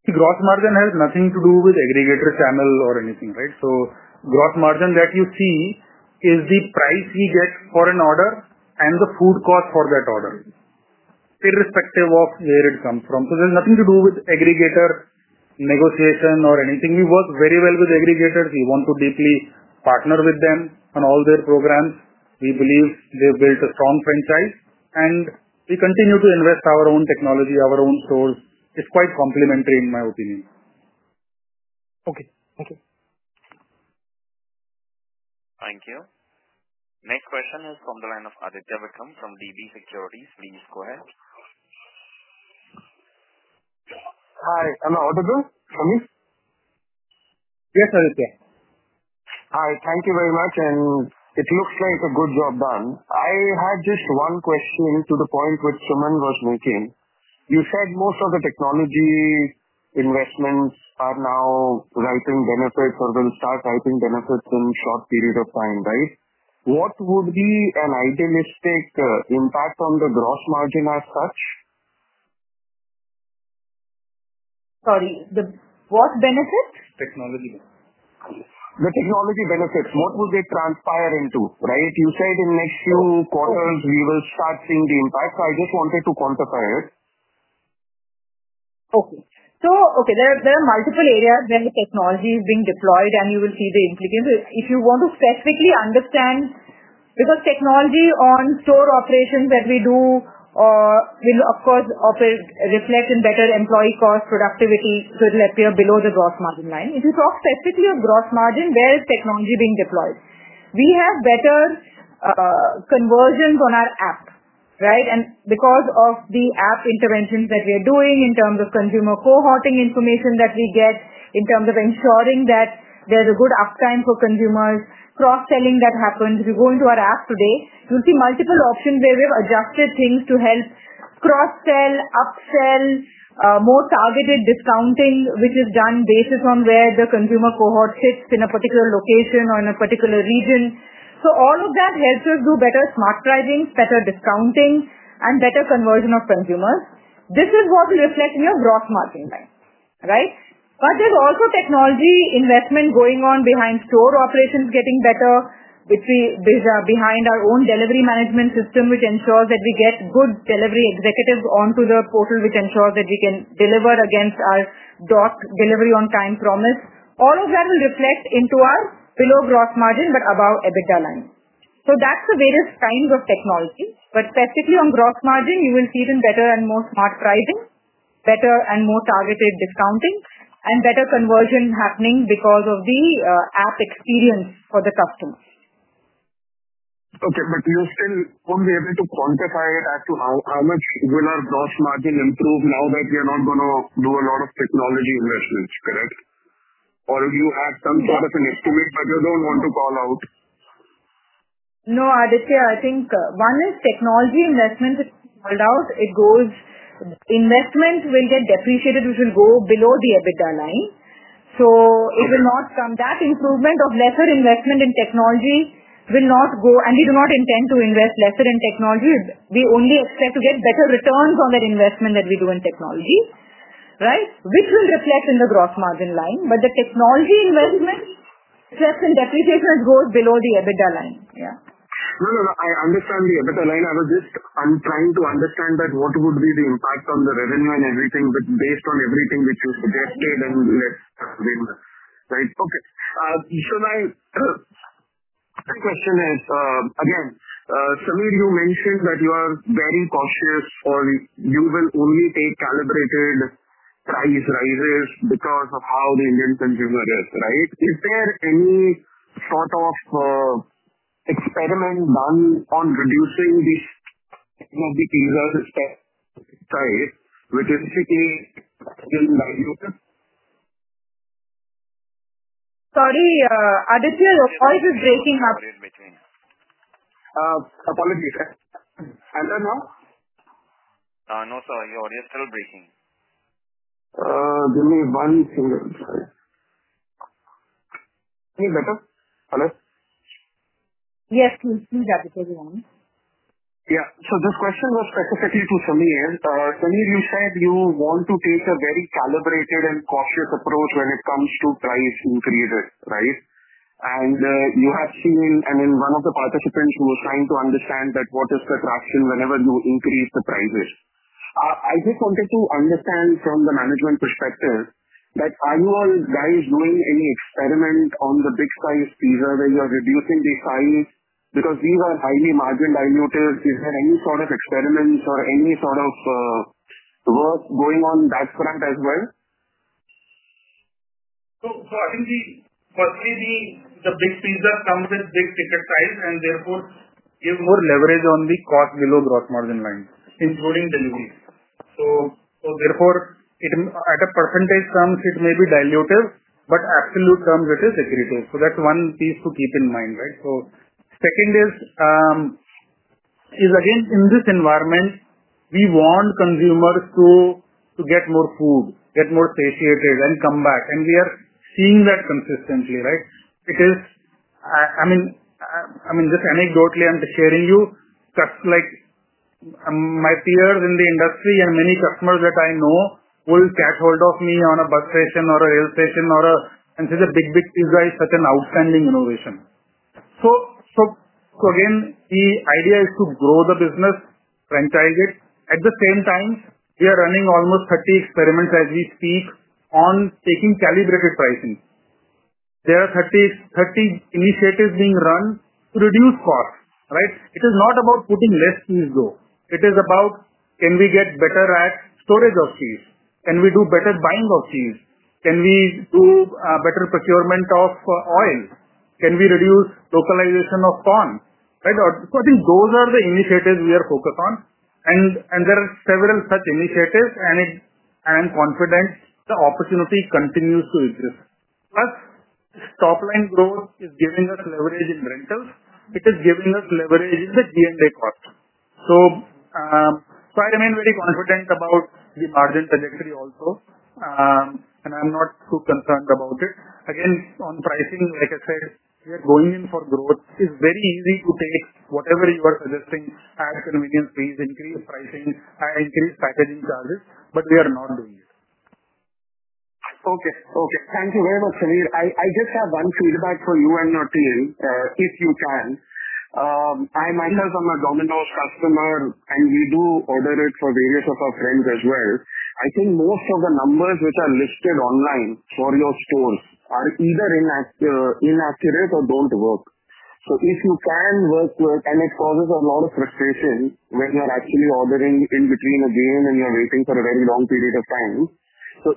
The gross margin has nothing to do with aggregator, channel or anything. Right. So gross margin that you see is the price we get for an order and the food cost for that order, irrespective of where it comes from. So there's nothing to do with aggregator negotiation or anything. We work very well with aggregators. We want to deeply partner with them on all their programs. We believe they've built a strong franchise and we continue to invest our own technology, our own flows. It's quite complementary in my opinion. Thank you. Next question is from the line of Aditya Vikham from DB Securities. Please go ahead. Hi, am I audible? Yes. Hi. Thank you very much. It looks like a good job done. I had this one question to the point which someone was making. You said most of the technology investments are now writing benefits or will start typing benefits in short period of time. Right. What would be an idealistic impact on the gross margin as such? Sorry, the what benefits? Technology, the technology benefits, what would they transpire into? You said in next few quarters we will start seeing the impact. I just wanted to quantify it. Okay. There are multiple areas where the technology is being deployed and you will see the implications if you want to specifically understand. Because technology on store operations that we do will of course reflect in better employee cost productivity. It will appear below the gross margin line. If you talk specifically of gross margin, where is technology being deployed? We have better conversions on our app. Right. Because of the app interventions that we are doing in terms of consumer cohorting, information that we get in terms of ensuring that there's a good uptime for consumers, cross selling that happens. You go into our app today, you'll see multiple options where we've adjusted things to help cross sell, upsell, more targeted discounting which is done based on where the consumer cohort hits in a particular location or in a particular region. All of that helps us do better smart pricing, better discounting, and better conversion of consumers. This is what reflects your gross margin line. There is also technology investment going on behind store operations getting better, which is behind our own delivery management system, which ensures that we get good delivery executives onto the portal, which ensures that we can deliver against our DOT delivery on time promise. All of that will reflect into our below gross margin but above EBITDA line. That's the various kinds of technology, but specifically on gross margin you will see it in better and more smart pricing, better and more targeted discounting, and better conversion happening because of the app experience for the customers. Okay. You still won't be able to quantify as to how much will our gross margin improve now that we are not going to do a lot of technology investments, or you have some sort of an estimate that you don't want to call out. No Aditya, I think one is technology investment. It goes, investment will get depreciated, which will go below the EBITDA line. It will not come, that improvement of lesser investment in technology will not go. We do not intend to invest lesser in technologies. We only expect to get better return from that investment that we do in technology, right, which will reflect in the gross margin line. The technology investment steps and depreciations go below the EBITDA line. Yeah, I understand the EBITDA line. I'm trying to understand what would be the impact on the revenue and everything, but based on everything which was. Right. Okay. The question is again, Sameer, you mentioned that you are very cautious, you will only take calibrated price rises because of how the Indian consumer is. Right. Is there any sort of experiment done on reducing this side which is. Sorry Aditya, your voice is breaking up. Apologies. No, sorry, your audio is still breaking. Give me one thing better. Yes, please have it for the moment. Yeah. This question was specifically to Sameer. You said you want to take a very calibrated and cautious approach when it comes to price increases, right? You have seen, and then one of the participants was trying to understand what is the trust in whenever you increase the prices. I just wanted to understand from the management perspective, are you all guys doing any experiments on the big size teaser where you're reducing the size because these are highly marginalized motives? Is there any sort of experiments or any sort of work going on that front as well? The Big Big Pizza comes with big ticket size and therefore you would leverage on the cost below gross margin line including delivery. Therefore, at a percentage it may be dilutive but in absolute terms it is accretive. That's one piece to keep in mind, right. Second is, again, in this environment we want consumers to get more food, get more satiated and come back. We are seeing that consistently, right. Anecdotally, I'm sharing, just like my peers in the industry and many customers that I know will catch hold of me at a bus station or a rail station, and such a Big Big Pizza is such an outstanding innovation. Again, the idea is to grow the business, franchise it. At the same time, we are running almost 30 experiments as we speak on taking calibrated pricing. There are 30 initiatives being run to reduce cost, right. It is not about putting less cheese though. It is about can we get better at storage of cheese and we do better buying of cheese. Can we do better procurement of oil, can we reduce localization of corn? I think those are the initiatives we are focused on and there are several such initiatives and I am confident the opportunity continues to exist. Plus, top line growth is giving us leverage in rentals, it is giving us leverage in the G&A cost. I remain very confident about the margin penetration also and I'm not too concerned about it. Again, on pricing, like I said, we are going in for growth. It's very easy to take whatever you are suggesting as convenience fees, increase pricing, increase packaging charges, but we are not doing it. Okay. Thank you very much Sameer. I just have one feedback for you and your team if you can. I mind us. I'm a gown and house customer and we do order it for various of our friends as well. I think most of the numbers which are listed online for your phone are either inaccurate or don't work. If you can work and it causes a lot of refracing when you're actually ordering in between again and you're waiting for a very long period of time.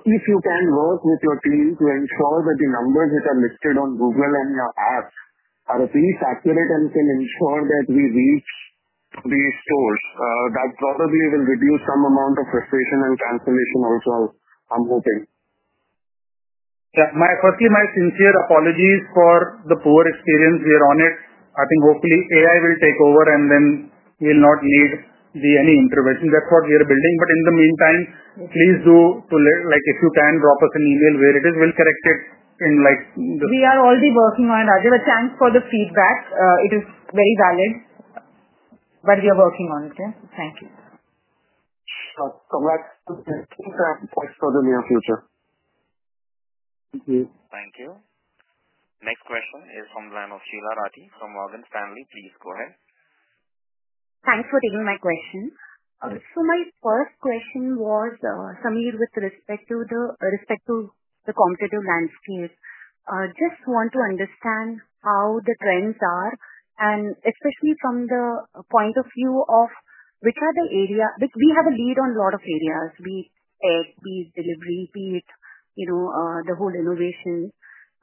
If you can work with your team to ensure that the numbers that are listed on Google and your apps are at least accurate and can ensure that we reach to be stored, that probably will reduce some amount of frustration and cancellation also. I'm hoping, yeah, firstly, my sincere apologies for the poor experience here on it. I think hopefully AI will take over and then we'll not need any intervention. That's what we are building. In the meantime, please do pull it. If you can drop us an email where it is, we'll connect it in. We are already working. Thank you for the feedback. It is very valid, and we are working on this. Thank you. For the near future. Thank you. Next question is from the line of Sheela Rathi from Morgan Stanley. Please go ahead. Thanks for taking my question. My first question was, Sameer, with respect to the competitive landscape, just want to understand how the trends are, and especially from the point of view of which are the areas. We have a lead on a lot of areas, delivery, be it, you know, the whole innovation.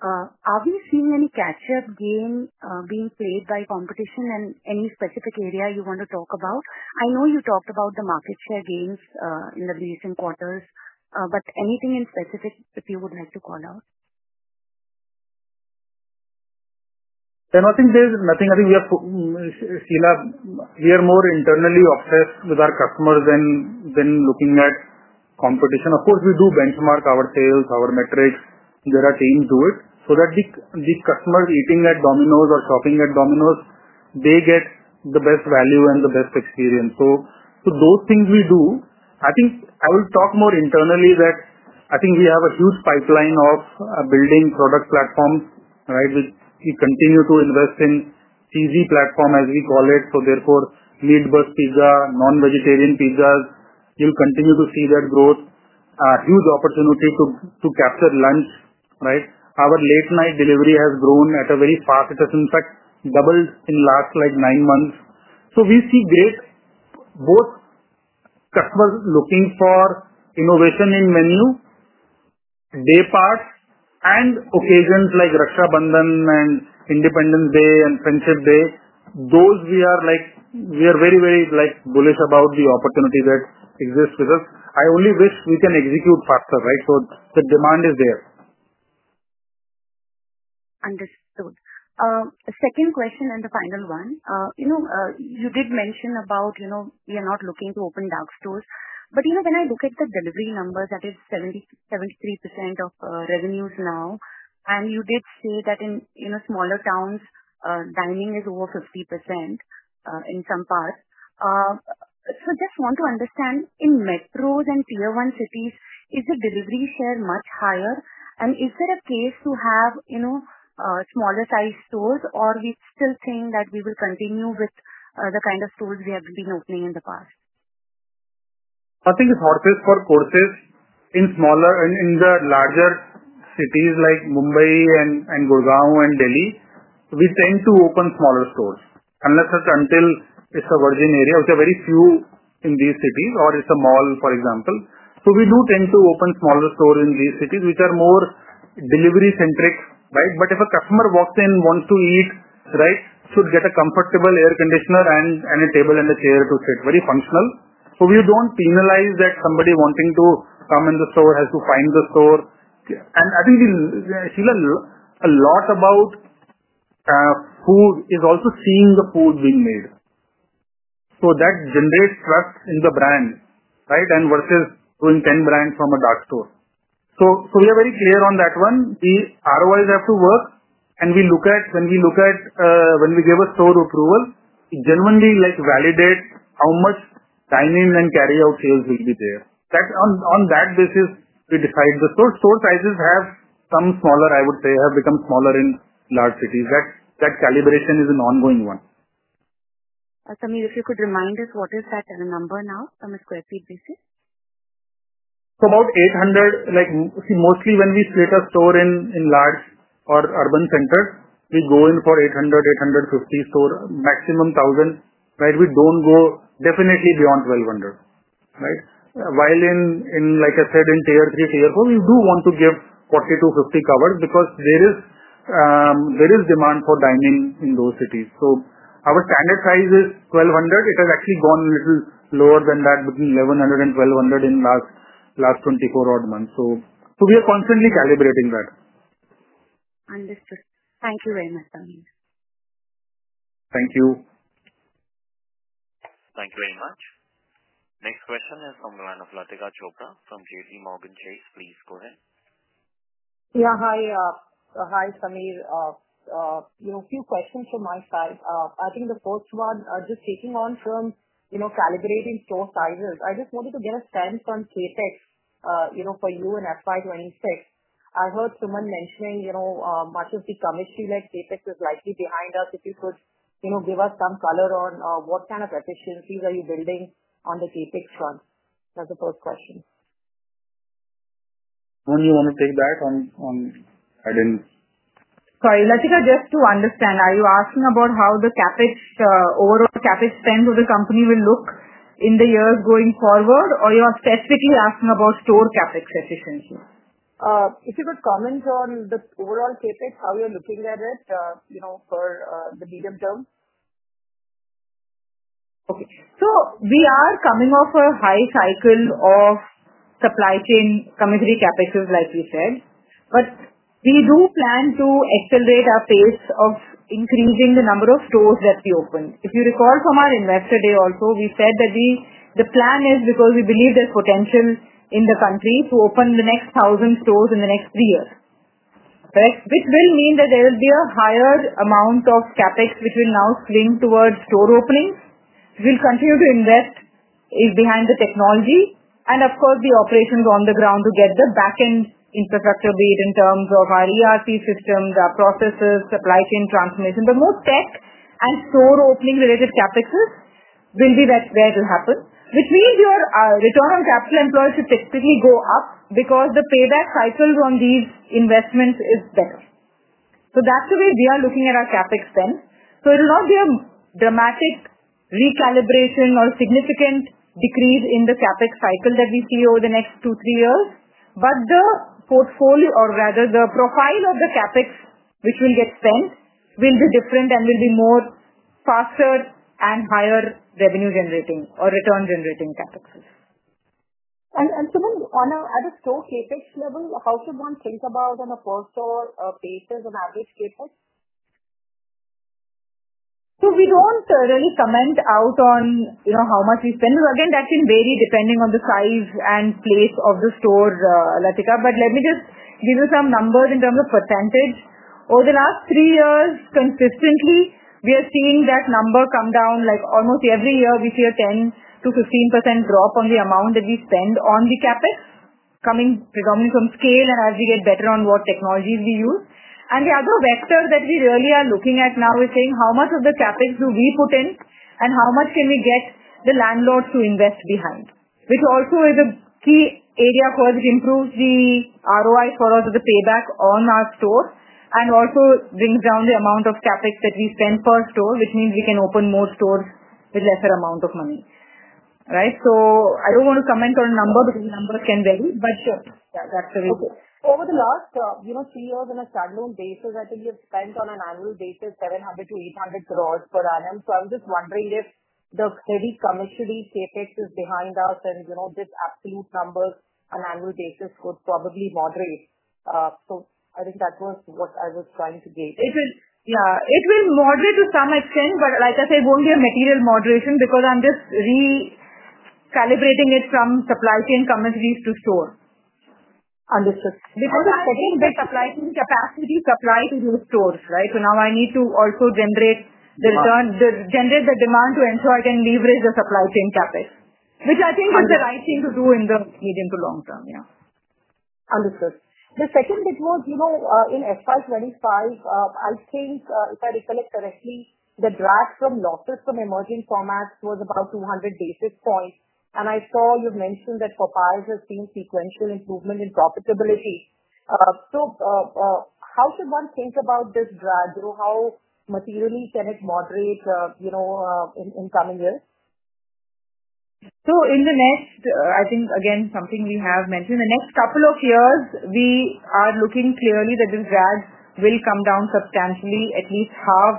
Are we seeing any catch up game being played by competition, and any specific area you want to talk about? I know you talked about the market share gains in the recent quarters, but anything in specific if you would like to call out. I think there's nothing. I think we have Sheela here more internally obsessed with our customers than looking at competition. Of course, we do benchmark our sales, our metrics. Our teams do it so that the customers eating at Domino's or shopping at Domino's, they get the best value and the best experience. Those things we do. I think I will talk more internally that I think we have a huge pipeline of building product platforms. We continue to invest in easy platform as we call it. Therefore, lead bus pizza, non-vegetarian pizzas, you'll continue to see that growth. Huge opportunity to capture lunch. Our late night delivery has grown at a very fast double in last like nine months. We see great both customers looking for innovation in menu day pass and occasions like Raksha Bandhan and Independence Day and Friendship Day. We are very, very bullish about the opportunity that exists with us. I only wish we can execute faster. The demand is there. Understood. Second question and the final one, you did mention about, you know we are not looking to open dark stores, but when I look at the delivery numbers that is 70, 73% of revenues now, and you did see that in smaller towns dining is over 50% in some parts. Just want to understand in metros and tier one cities, is the delivery fare much higher and is there a case to have smaller size stores or we still think that we will continue with the kind of stores we have been opening in the past. I think horses for courses in the larger cities like Mumbai and Gurgaon and Delhi, we tend to open smaller stores unless it's a virgin area with very few in these cities or it's a mall, for example. We do tend to open smaller stores in these cities which are more delivery centric. If a customer walks in, wants to eat rice, should get a comfortable air conditioner and any table and a chair to sit, very functional. We don't penalize that somebody wanting to come in the store has to find the store. I think she learned a lot about food is also seeing the food being made. That generates trust in the brand, versus doing 10 brands from a dark store. We are very clear on that one. The ROIs have to work and we look at, when we give a store approval, it genuinely validates how much sign in and carry out sales will be there. On that basis, we decide the store sizes. Some smaller, I would say, have become smaller in large cities. That calibration is an ongoing one. If you could remind us what is that number now from a square feet because about 800. Like see, mostly when we create a store in large or urban centers, we go in for 800, 850 store, maximum 1,000. Right. We don't go definitely beyond 1,200. Right. While, like I said, in tier three, tier four, we do want to give 4,250 covered because there is demand for dining in those cities. Our standard size is 1,200. It has actually gone a little lower than that, between 1,100 and 1,200 in last 24 odd months. We are constantly calibrating that. Thank you very much. Thank you. Thank you very much. Next question is on the line of Latika Chopra from J.P. Morgan Chase, please go ahead. Yeah. Hi. Hi Sameer. A few questions from my side. I think the first one, just taking on from calibrating store sizes, I just wanted to get a sense on capex. For you and FY26, I heard someone mentioning the committee, like capex is likely behind us. If you could give us some color on what kind of efficiencies are you building on the capex front? That's the first question. You want to take that on? I didn't, sorry Lakshya. Just to understand, are you asking about how the capex or the capex spend of the company will look in the years going forward, or are you specifically asking about store capex efficiency? If you could comment on the overall capex, how you're looking at this, you. Know, for the medium term. Okay, we are coming off a high cycle of supply chain commodity capacities like you said, but we do plan to accelerate our pace of increasing the number of stores that we open. If you recall from our investor day, we said that the plan is because we believe there's potential in the country to open the next 1,000 stores in the next three years, which will mean that there will be a higher amount of capex which will now swing towards store openings. We'll continue to invest behind the technology and of course the operations on the ground to get the backend infrastructure, be it in terms of our ERP systems, our processes, supply chain transformation. The most tech and store opening related capex will be where it will happen, which means your return on capital employed should typically go up because the payback cycles on these investments is better. That's the way we are looking at our capex from. It will not be a dramatic recalibration or significant decrease in the capex cycle that we see over the next two, three years, but the profile of the capex which will get spent will be different and will be more faster and higher revenue generating or return generating capex. On a store capex level, how should one think about on a per store basis, on average capex? We don't really comment out on, you know, how much we spend. Again, that can vary depending on the size and place of the store, Latika. Let me just give you some numbers in terms of percentage. Over the last three years, consistently we are seeing that number come down, like almost every year we see a 10% to 15% drop on the amount that we spend on the capex coming from scale, and as we get better on what technologies we use. The other vector that we really are looking at now is saying how much of the capex do we put in and how much can we get the landlords to invest behind, which also is a key area because it improves the ROI for all the payback on our store and also brings down the amount of capex that we spend per store, which means we can open more stores with lesser amount of money. I don't want to comment on number because numbers can vary, but sure, yeah, that's very good. Over the last three years, in a standalone basis, actually you've spent on an annual basis 700 to 800 crores per annum. I'm just wondering if the steady summit is behind us and these absolute numbers and amortizations could probably moderate. I think that was what I was trying to gain. It will moderate to some extent, but like I said, won't be a material moderation because I'm just recalibrating it from supply chain commissaries to store. Understood. Capacity supply to new stores. Right. I need to also generate the return, generate the demand to ensure it and leverage the supply chain capex, which I think was the right thing to do in the medium to long term. Yeah, understood. The session which was, you know, in S525 I think if I recollect correctly, the drag from Popeyes from emerging formats was about 200 basis points. I saw you mentioned that Popeyes has seen sequential improvement in profitability. How should one think about this drag through? How materially can it moderate, you know, in coming years? In the next, I think again something we have mentioned, the next couple of years we are looking clearly that the drag will come down substantially, at least half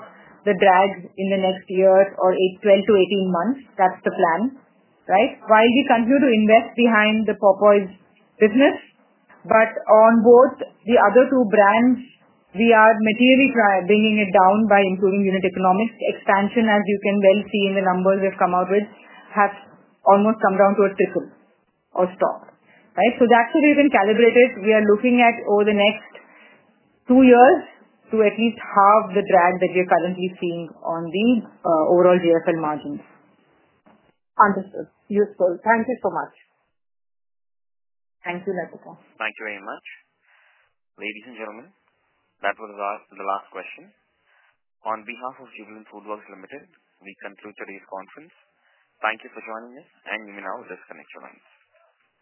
the drag in the next year or 12 to 18 months. That's the plan. Right. While we continue to invest behind the Popeyes business, on both the other two brands we are materially bringing it down by improving unit economics expansion. As you can well see in the numbers we've come out with, have almost come down to a triple or stock. Right. That's how you can calibrate it. We are looking at over the next two years to at least half the drag that we are currently seeing on the overall gross margins. Understood. Useful. Thank you so much. Thank you. Thank you very much, ladies and gentlemen. That was the last question. On behalf of Jubilant FoodWorks Limited, we come through today's conference. Thank you for joining us and you may now disconnect your lines.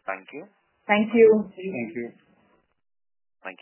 Thank you. Thank you. Thank you. Thank you.